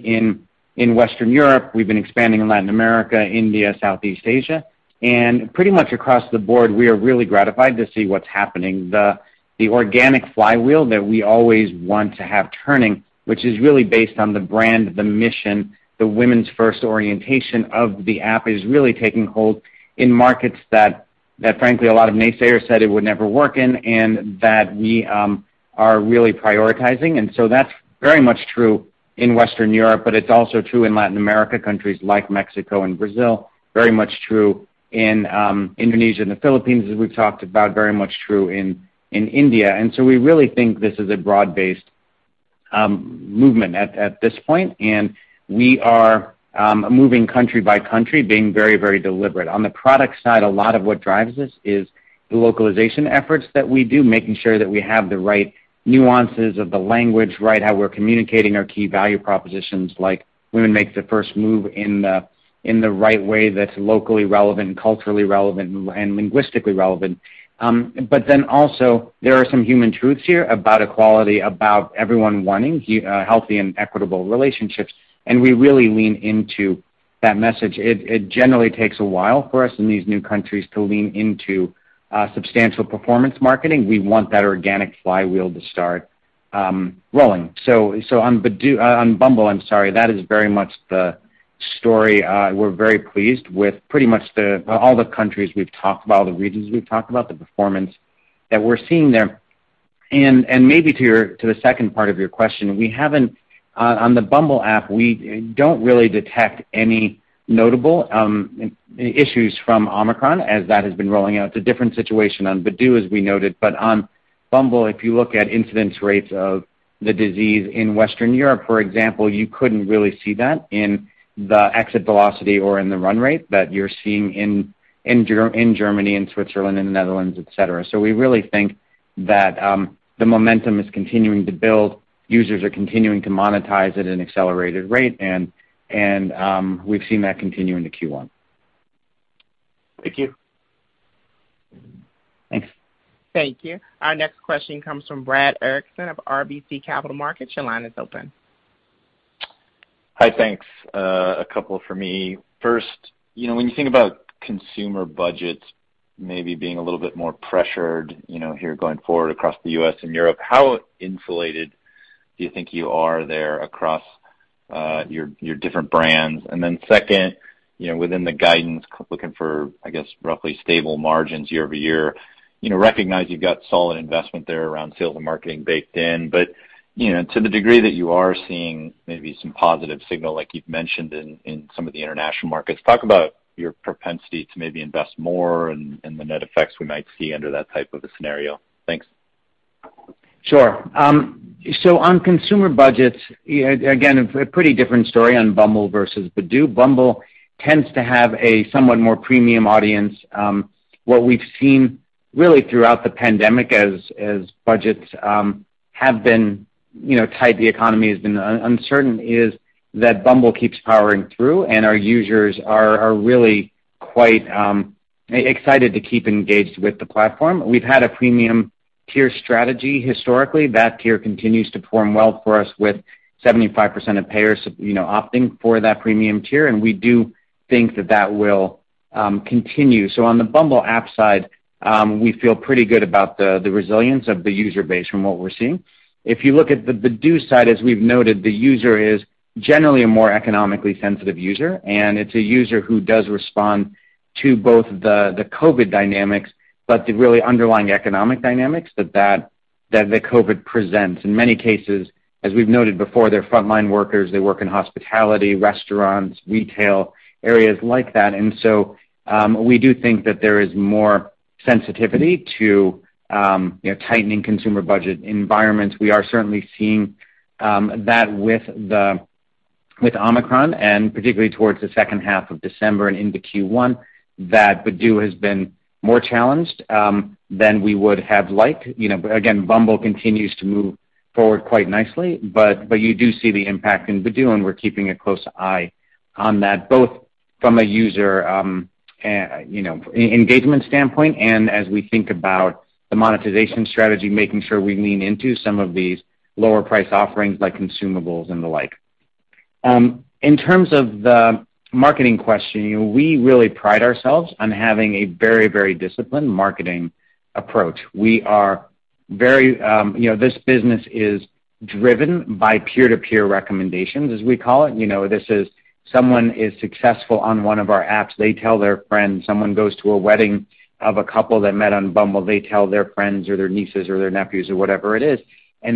in Western Europe, we've been expanding in Latin America, India, Southeast Asia, and pretty much across the board, we are really gratified to see what's happening. The organic flywheel that we always want to have turning, which is really based on the brand, the mission, the women's first orientation of the app is really taking hold in markets that frankly, a lot of naysayers said it would never work in, and that we are really prioritizing. That's very much true in Western Europe, but it's also true in Latin America, countries like Mexico and Brazil, very much true in Indonesia and the Philippines, as we've talked about, very much true in India. We really think this is a broad-based movement at this point. We are moving country by country being very deliberate. On the product side, a lot of what drives us is the localization efforts that we do, making sure that we have the right nuances of the language, right how we're communicating our key value propositions, like women make the first move in the right way that's locally relevant and culturally relevant and linguistically relevant. Also there are some human truths here about equality, about everyone wanting healthy and equitable relationships, and we really lean into that message. It generally takes a while for us in these new countries to lean into substantial performance marketing. We want that organic flywheel to start rolling. On Badoo, on Bumble, I'm sorry, that is very much the story. We're very pleased with pretty much all the countries we've talked about, all the regions we've talked about, the performance that we're seeing there. Maybe to your, to the second part of your question, we haven't on the Bumble app, we don't really detect any notable issues from Omicron as that has been rolling out. It's a different situation on Badoo, as we noted. On Bumble, if you look at incidence rates of the disease in Western Europe, for example, you couldn't really see that in the exit velocity or in the run rate that you're seeing in Germany and Switzerland and the Netherlands, et cetera. We really think that the momentum is continuing to build. Users are continuing to monetize at an accelerated rate, and we've seen that continue into Q1. Thank you. Thanks. Thank you. Our next question comes from Brad Erickson of RBC Capital Markets. Your line is open. Hi. Thanks. A couple for me. First, you know, when you think about consumer budgets maybe being a little bit more pressured, you know, here going forward across the U.S. and Europe, how insulated do you think you are there across your different brands? Then second, you know, within the guidance looking for, I guess, roughly stable margins year-over-year, you know, recognize you've got solid investment there around sales and marketing baked in, but, you know, to the degree that you are seeing maybe some positive signal, like you've mentioned in some of the international markets, talk about your propensity to maybe invest more and the net effects we might see under that type of a scenario. Thanks. Sure. On consumer budgets, again, a pretty different story on Bumble versus Badoo. Bumble tends to have a somewhat more premium audience. What we've seen really throughout the pandemic as budgets have been, you know, tight, the economy has been uncertain, is that Bumble keeps powering through, and our users are really quite excited to keep engaged with the platform. We've had a premium tier strategy historically. That tier continues to perform well for us with 75% of payers, you know, opting for that premium tier, and we do think that will continue. On the Bumble app side, we feel pretty good about the resilience of the user base from what we're seeing. If you look at the Badoo side, as we've noted, the user is generally a more economically sensitive user, and it's a user who does respond to both the COVID dynamics, but the really underlying economic dynamics that the COVID presents. In many cases, as we've noted before, they're frontline workers. They work in hospitality, restaurants, retail, areas like that. We do think that there is more sensitivity to, you know, tightening consumer budget environments. We are certainly seeing that with Omicron, and particularly towards the second half of December and into Q1, that Badoo has been more challenged than we would have liked. You know, again, Bumble continues to move forward quite nicely, but you do see the impact in Badoo, and we're keeping a close eye on that, both from a user, you know, engagement standpoint and as we think about the monetization strategy, making sure we lean into some of these lower priced offerings like consumables and the like. In terms of the marketing question, you know, we really pride ourselves on having a very, very disciplined marketing approach. You know, this business is driven by peer-to-peer recommendations, as we call it. You know, this is someone is successful on one of our apps, they tell their friends. Someone goes to a wedding of a couple that met on Bumble, they tell their friends or their nieces or their nephews or whatever it is.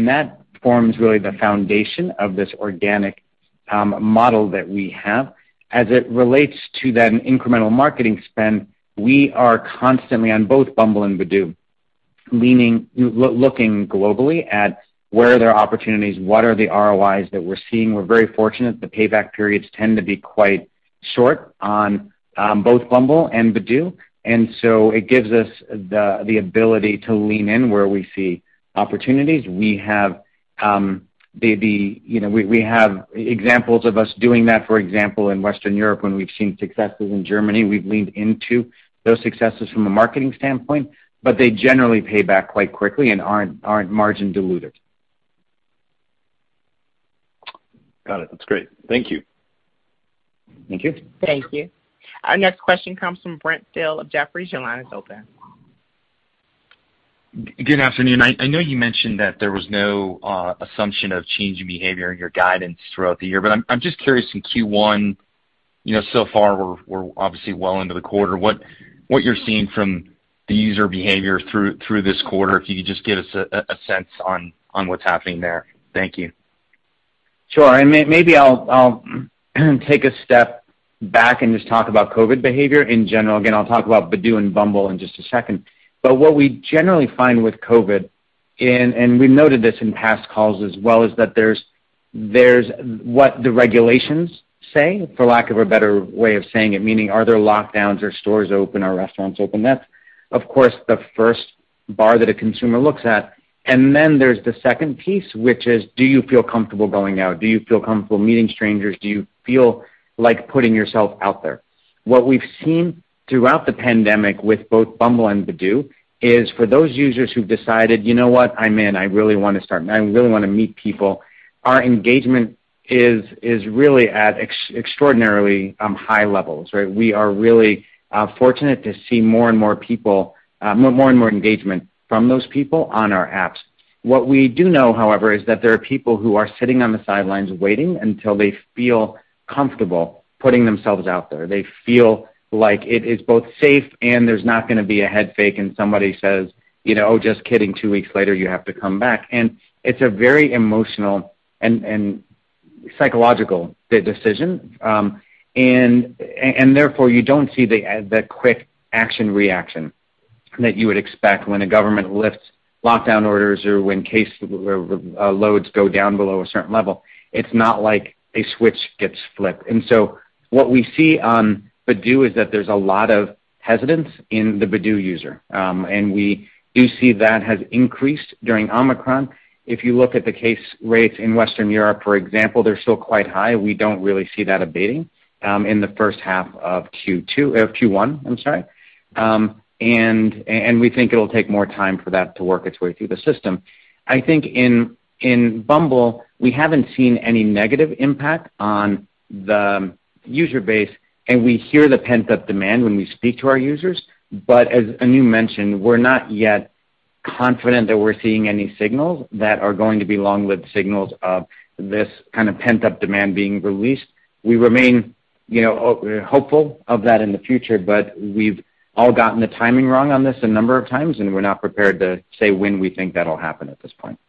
That forms really the foundation of this organic model that we have. As it relates to the incremental marketing spend, we are constantly on both Bumble and Badoo, looking globally at where there are opportunities, what are the ROIs that we're seeing. We're very fortunate the payback periods tend to be quite short on both Bumble and Badoo, and so it gives us the ability, you know, we have examples of us doing that, for example, in Western Europe, when we've seen successes in Germany. We've leaned into those successes from a marketing standpoint, but they generally pay back quite quickly and aren't margin dilutive. Got it. That's great. Thank you. Thank you. Thank you. Our next question comes from Brent Thill of Jefferies. Your line is open. Good afternoon. I know you mentioned that there was no assumption of changing behavior in your guidance throughout the year, but I'm just curious in Q1, you know, so far we're obviously well into the quarter. What you're seeing from the user behavior through this quarter, if you could just give us a sense on what's happening there. Thank you. Sure. Maybe I'll take a step back and just talk about COVID behavior in general. Again, I'll talk about Badoo and Bumble in just a second. What we generally find with COVID, and we've noted this in past calls as well, is that there's what the regulations say, for lack of a better way of saying it, meaning are there lockdowns? Are stores open? Are restaurants open? That's, of course, the first barrier that a consumer looks at. Then there's the second piece, which is, do you feel comfortable going out? Do you feel comfortable meeting strangers? Do you feel like putting yourself out there? What we've seen throughout the pandemic with both Bumble and Badoo is for those users who've decided, "You know what? I'm in. I really wanna start. I really wanna meet people," our engagement is really at extraordinarily high levels, right? We are really fortunate to see more and more people, more and more engagement from those people on our apps. What we do know, however, is that there are people who are sitting on the sidelines waiting until they feel comfortable putting themselves out there. They feel like it is both safe, and there's not gonna be a head fake, and somebody says, "You know, just kidding," two weeks later you have to come back. It's a very emotional and psychological decision. Therefore, you don't see the quick action-reaction that you would expect when a government lifts lockdown orders or when case loads go down below a certain level. It's not like a switch gets flipped. What we see on Badoo is that there's a lot of hesitance in the Badoo user. We do see that has increased during Omicron. If you look at the case rates in Western Europe, for example, they're still quite high. We don't really see that abating in the first half of Q1, I'm sorry. We think it'll take more time for that to work its way through the system. I think in Bumble, we haven't seen any negative impact on the user base, and we hear the pent-up demand when we speak to our users. But as Anu mentioned, we're not yet confident that we're seeing any signals that are going to be long-lived signals of this kind of pent-up demand being released. We remain, you know, hopeful of that in the future, but we've all gotten the timing wrong on this a number of times, and we're not prepared to say when we think that'll happen at this point.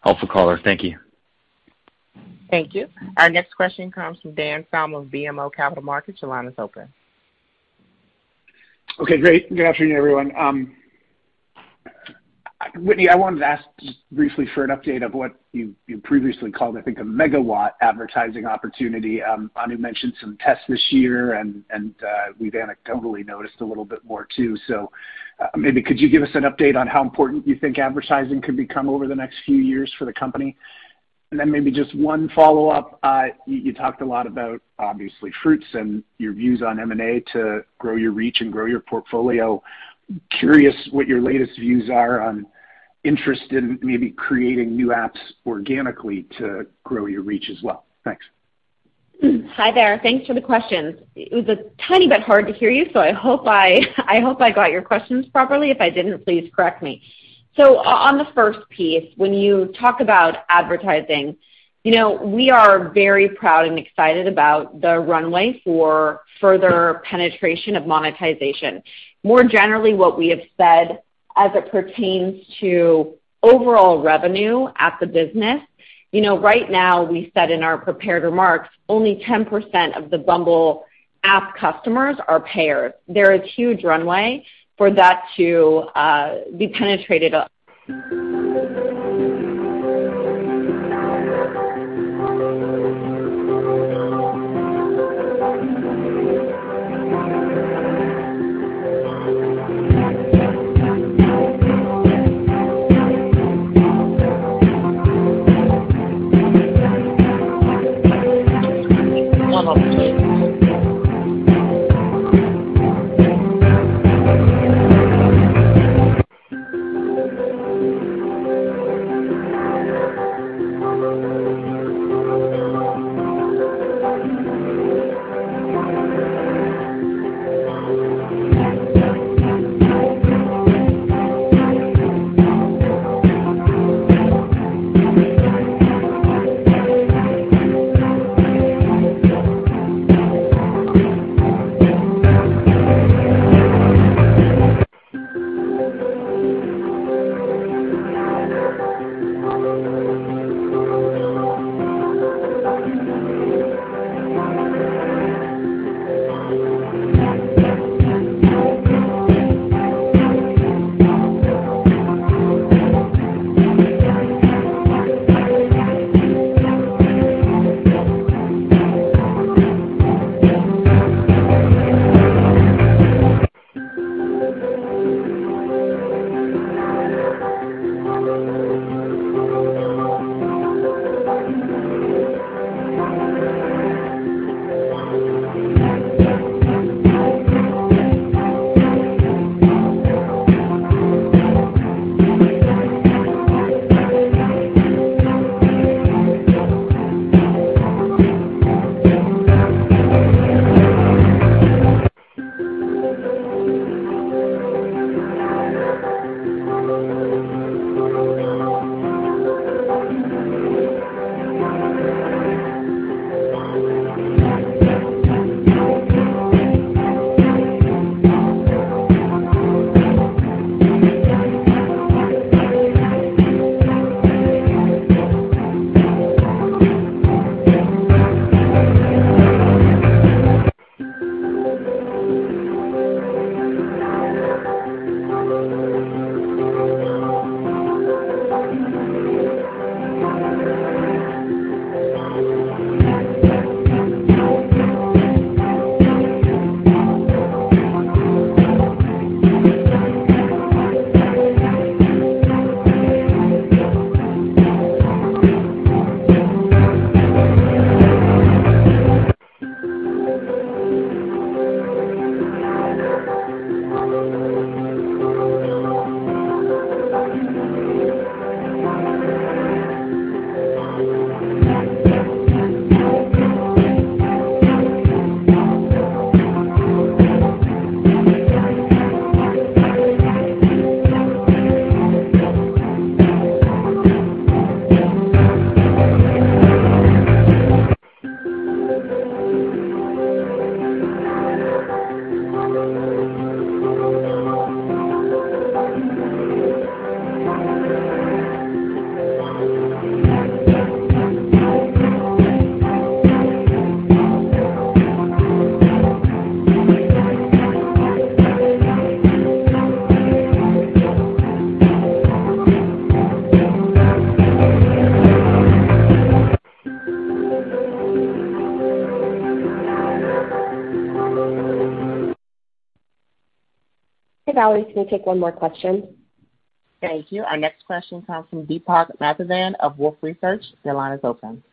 Helpful caller. Thank you. Thank you. Our next question comes from Dan Salmon of BMO Capital Markets. Your line is open. Okay, great. Good afternoon, everyone. Whitney, I wanted to ask just briefly for an update of what you previously called, I think, a megawatt advertising opportunity. Anu mentioned some tests this year, we've anecdotally noticed a little bit more too. Maybe could you give us an update on how important you think advertising could become over the next few years for the company? Maybe just one follow-up. You talked a lot about, obviously, Fruitz and your views on M&A to grow your reach and grow your portfolio. I'm curious what your latest views are on interest in maybe creating new apps organically to grow your reach as well. Thanks. Hi there. Thanks for the questions. It was a tiny bit hard to hear you, so I hope I got your questions properly. If I didn't, please correct me. On the first piece, when you talk about advertising, you know, we are very proud and excited about the runway for further penetration of monetization. More generally, what we have said as it pertains to overall revenue at the business, you know, right now we said in our prepared remarks, only 10% of the Bumble app customers are payers. There is huge runway for that to be penetrated. Hey, Valerie, can we take one more question? Thank you. Our next question comes from Deepak Mathivanan of Wolfe Research. Your line is open.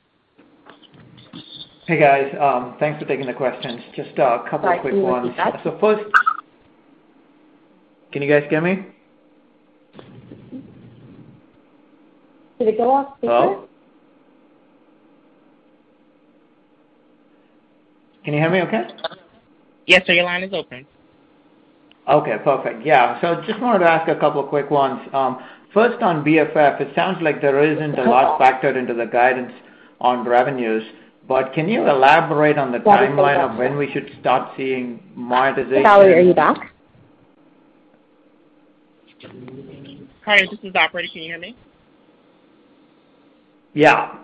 Hey, guys. Thanks for taking the questions. Just a couple quick ones. Sorry, can you repeat that? Can you guys hear me? Did it go off again? Hello? Can you hear me okay? Yes, sir, your line is open. Okay, perfect. Yeah. Just wanted to ask a couple of quick ones. First on BFF, it sounds like there isn't a lot factored into the guidance on revenues, but can you elaborate on the timeline of when we should start seeing monetization. Valerie, are you back? Hi, this is the operator. Can you hear me? Yeah.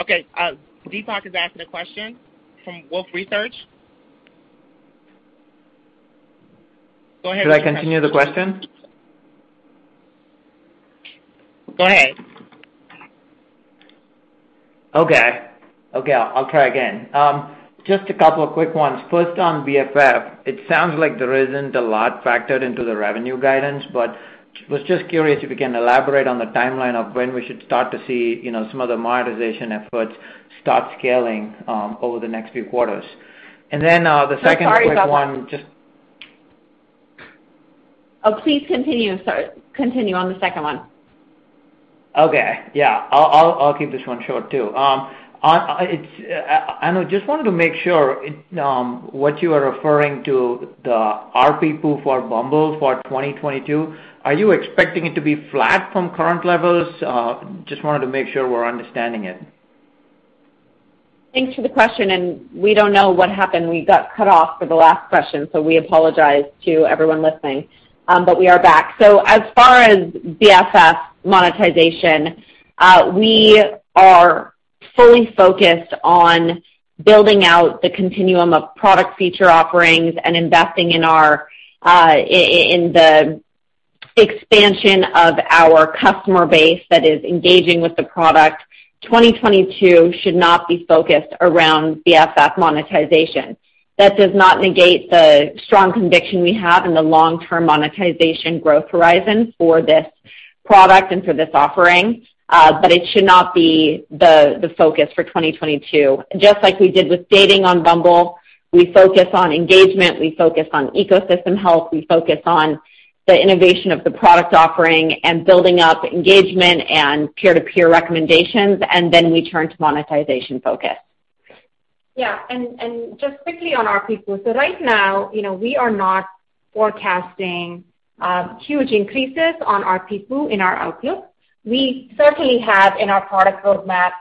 Okay. Deepak is asking a question from Wolfe Research. Go ahead with your question. Should I continue the question? Go ahead. Okay, I'll try again. Just a couple of quick ones. First, on BFF, it sounds like there isn't a lot factored into the revenue guidance, but was just curious if you can elaborate on the timeline of when we should start to see, you know, some of the monetization efforts start scaling, over the next few quarters. Then, the second quick one. Sorry about that. Just... Oh, please continue. Sorry. Continue on the second one. Okay. Yeah. I'll keep this one short too. Anu, just wanted to make sure what you are referring to the ARPPU for Bumble for 2022, are you expecting it to be flat from current levels? Just wanted to make sure we're understanding it. Thanks for the question. We don't know what happened. We got cut off for the last question, so we apologize to everyone listening. We are back. As far as BFF monetization, we are fully focused on building out the continuum of product feature offerings and investing in the expansion of our customer base that is engaging with the product. 2022 should not be focused around BFF monetization. That does not negate the strong conviction we have in the long-term monetization growth horizon for this product and for this offering. It should not be the focus for 2022. Just like we did with dating on Bumble, we focus on engagement, we focus on ecosystem health, we focus on the innovation of the product offering and building up engagement and peer-to-peer recommendations, and then we turn to monetization focus. Just quickly on ARPPU. Right now, you know, we are not forecasting huge increases on ARPPU in our outlook. We certainly have in our product roadmap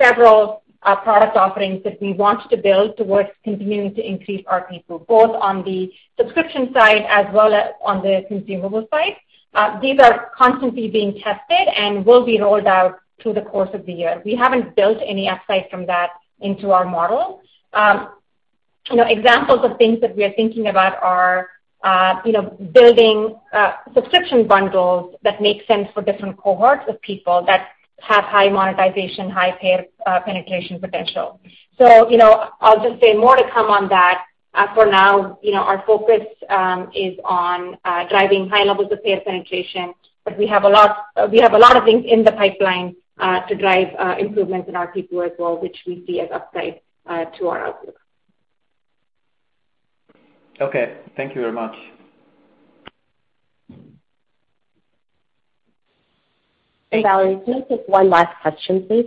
several product offerings that we want to build towards continuing to increase ARPPU, both on the subscription side as well as on the consumable side. These are constantly being tested and will be rolled out through the course of the year. We haven't built any upside from that into our model. You know, examples of things that we are thinking about are you know, building subscription bundles that make sense for different cohorts of people that have high monetization, high paid penetration potential. I'll just say more to come on that. For now, you know, our focus is on driving high levels of paid penetration. We have a lot of things in the pipeline to drive improvements in ARPPU as well, which we see as upside to our outlook. Okay. Thank you very much. Hey, Valerie, can you take one last question, please?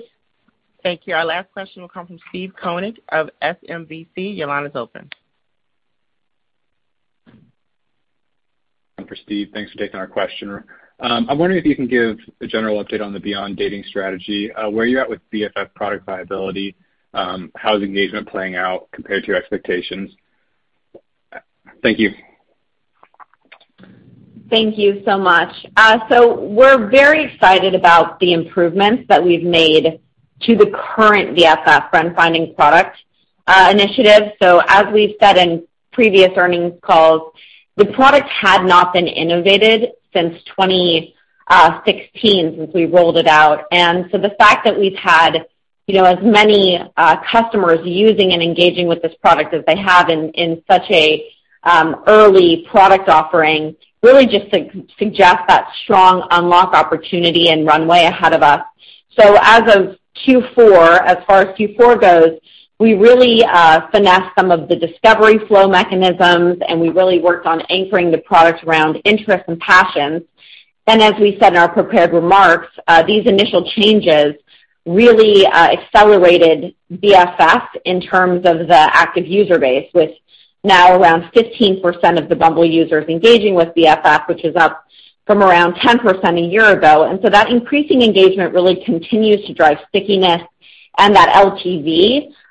Thank you. Our last question will come from Steve Koenig of SMBC. Your line is open. This is Steve. Thanks for taking our question. I'm wondering if you can give a general update on the beyond dating strategy, where you're at with BFF product viability, how's engagement playing out compared to your expectations? Thank you. Thank you so much. We're very excited about the improvements that we've made to the current BFF friend-finding product initiative. As we've said in previous earnings calls, the product had not been innovated since 2016, since we rolled it out. The fact that we've had, you know, as many customers using and engaging with this product as they have in such a early product offering really just suggest that strong unlock opportunity and runway ahead of us. As of Q4, as far as Q4 goes, we really finessed some of the discovery flow mechanisms, and we really worked on anchoring the product around interests and passions. As we said in our prepared remarks, these initial changes really accelerated BFF in terms of the active user base, with now around 15% of the Bumble users engaging with BFF, which is up from around 10% a year ago. That increasing engagement really continues to drive stickiness and that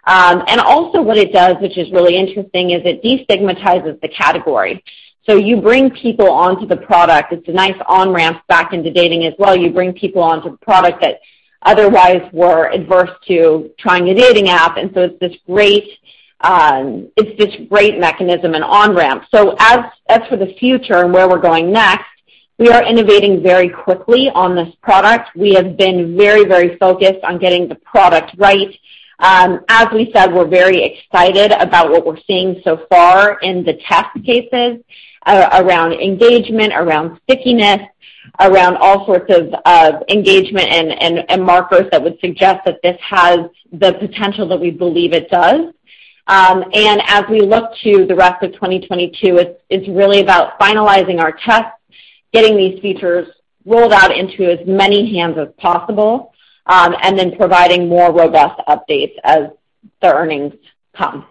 LTV. Also what it does, which is really interesting, is it destigmatizes the category. You bring people onto the product. It's a nice on-ramp back into dating as well. You bring people onto the product that otherwise were adverse to trying a dating app. It's this great mechanism and on-ramp. As for the future and where we're going next, we are innovating very quickly on this product. We have been very, very focused on getting the product right. As we said, we're very excited about what we're seeing so far in the test cases around engagement, around stickiness, around all sorts of engagement and markers that would suggest that this has the potential that we believe it does. As we look to the rest of 2022, it's really about finalizing our tests, getting these features rolled out into as many hands as possible and then providing more robust updates as the earnings come.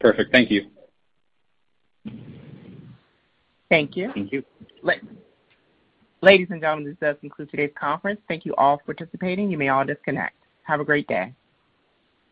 Perfect. Thank you. Thank you. Thank you. Ladies and gentlemen, this does conclude today's conference. Thank you all for participating. You may all disconnect. Have a great day.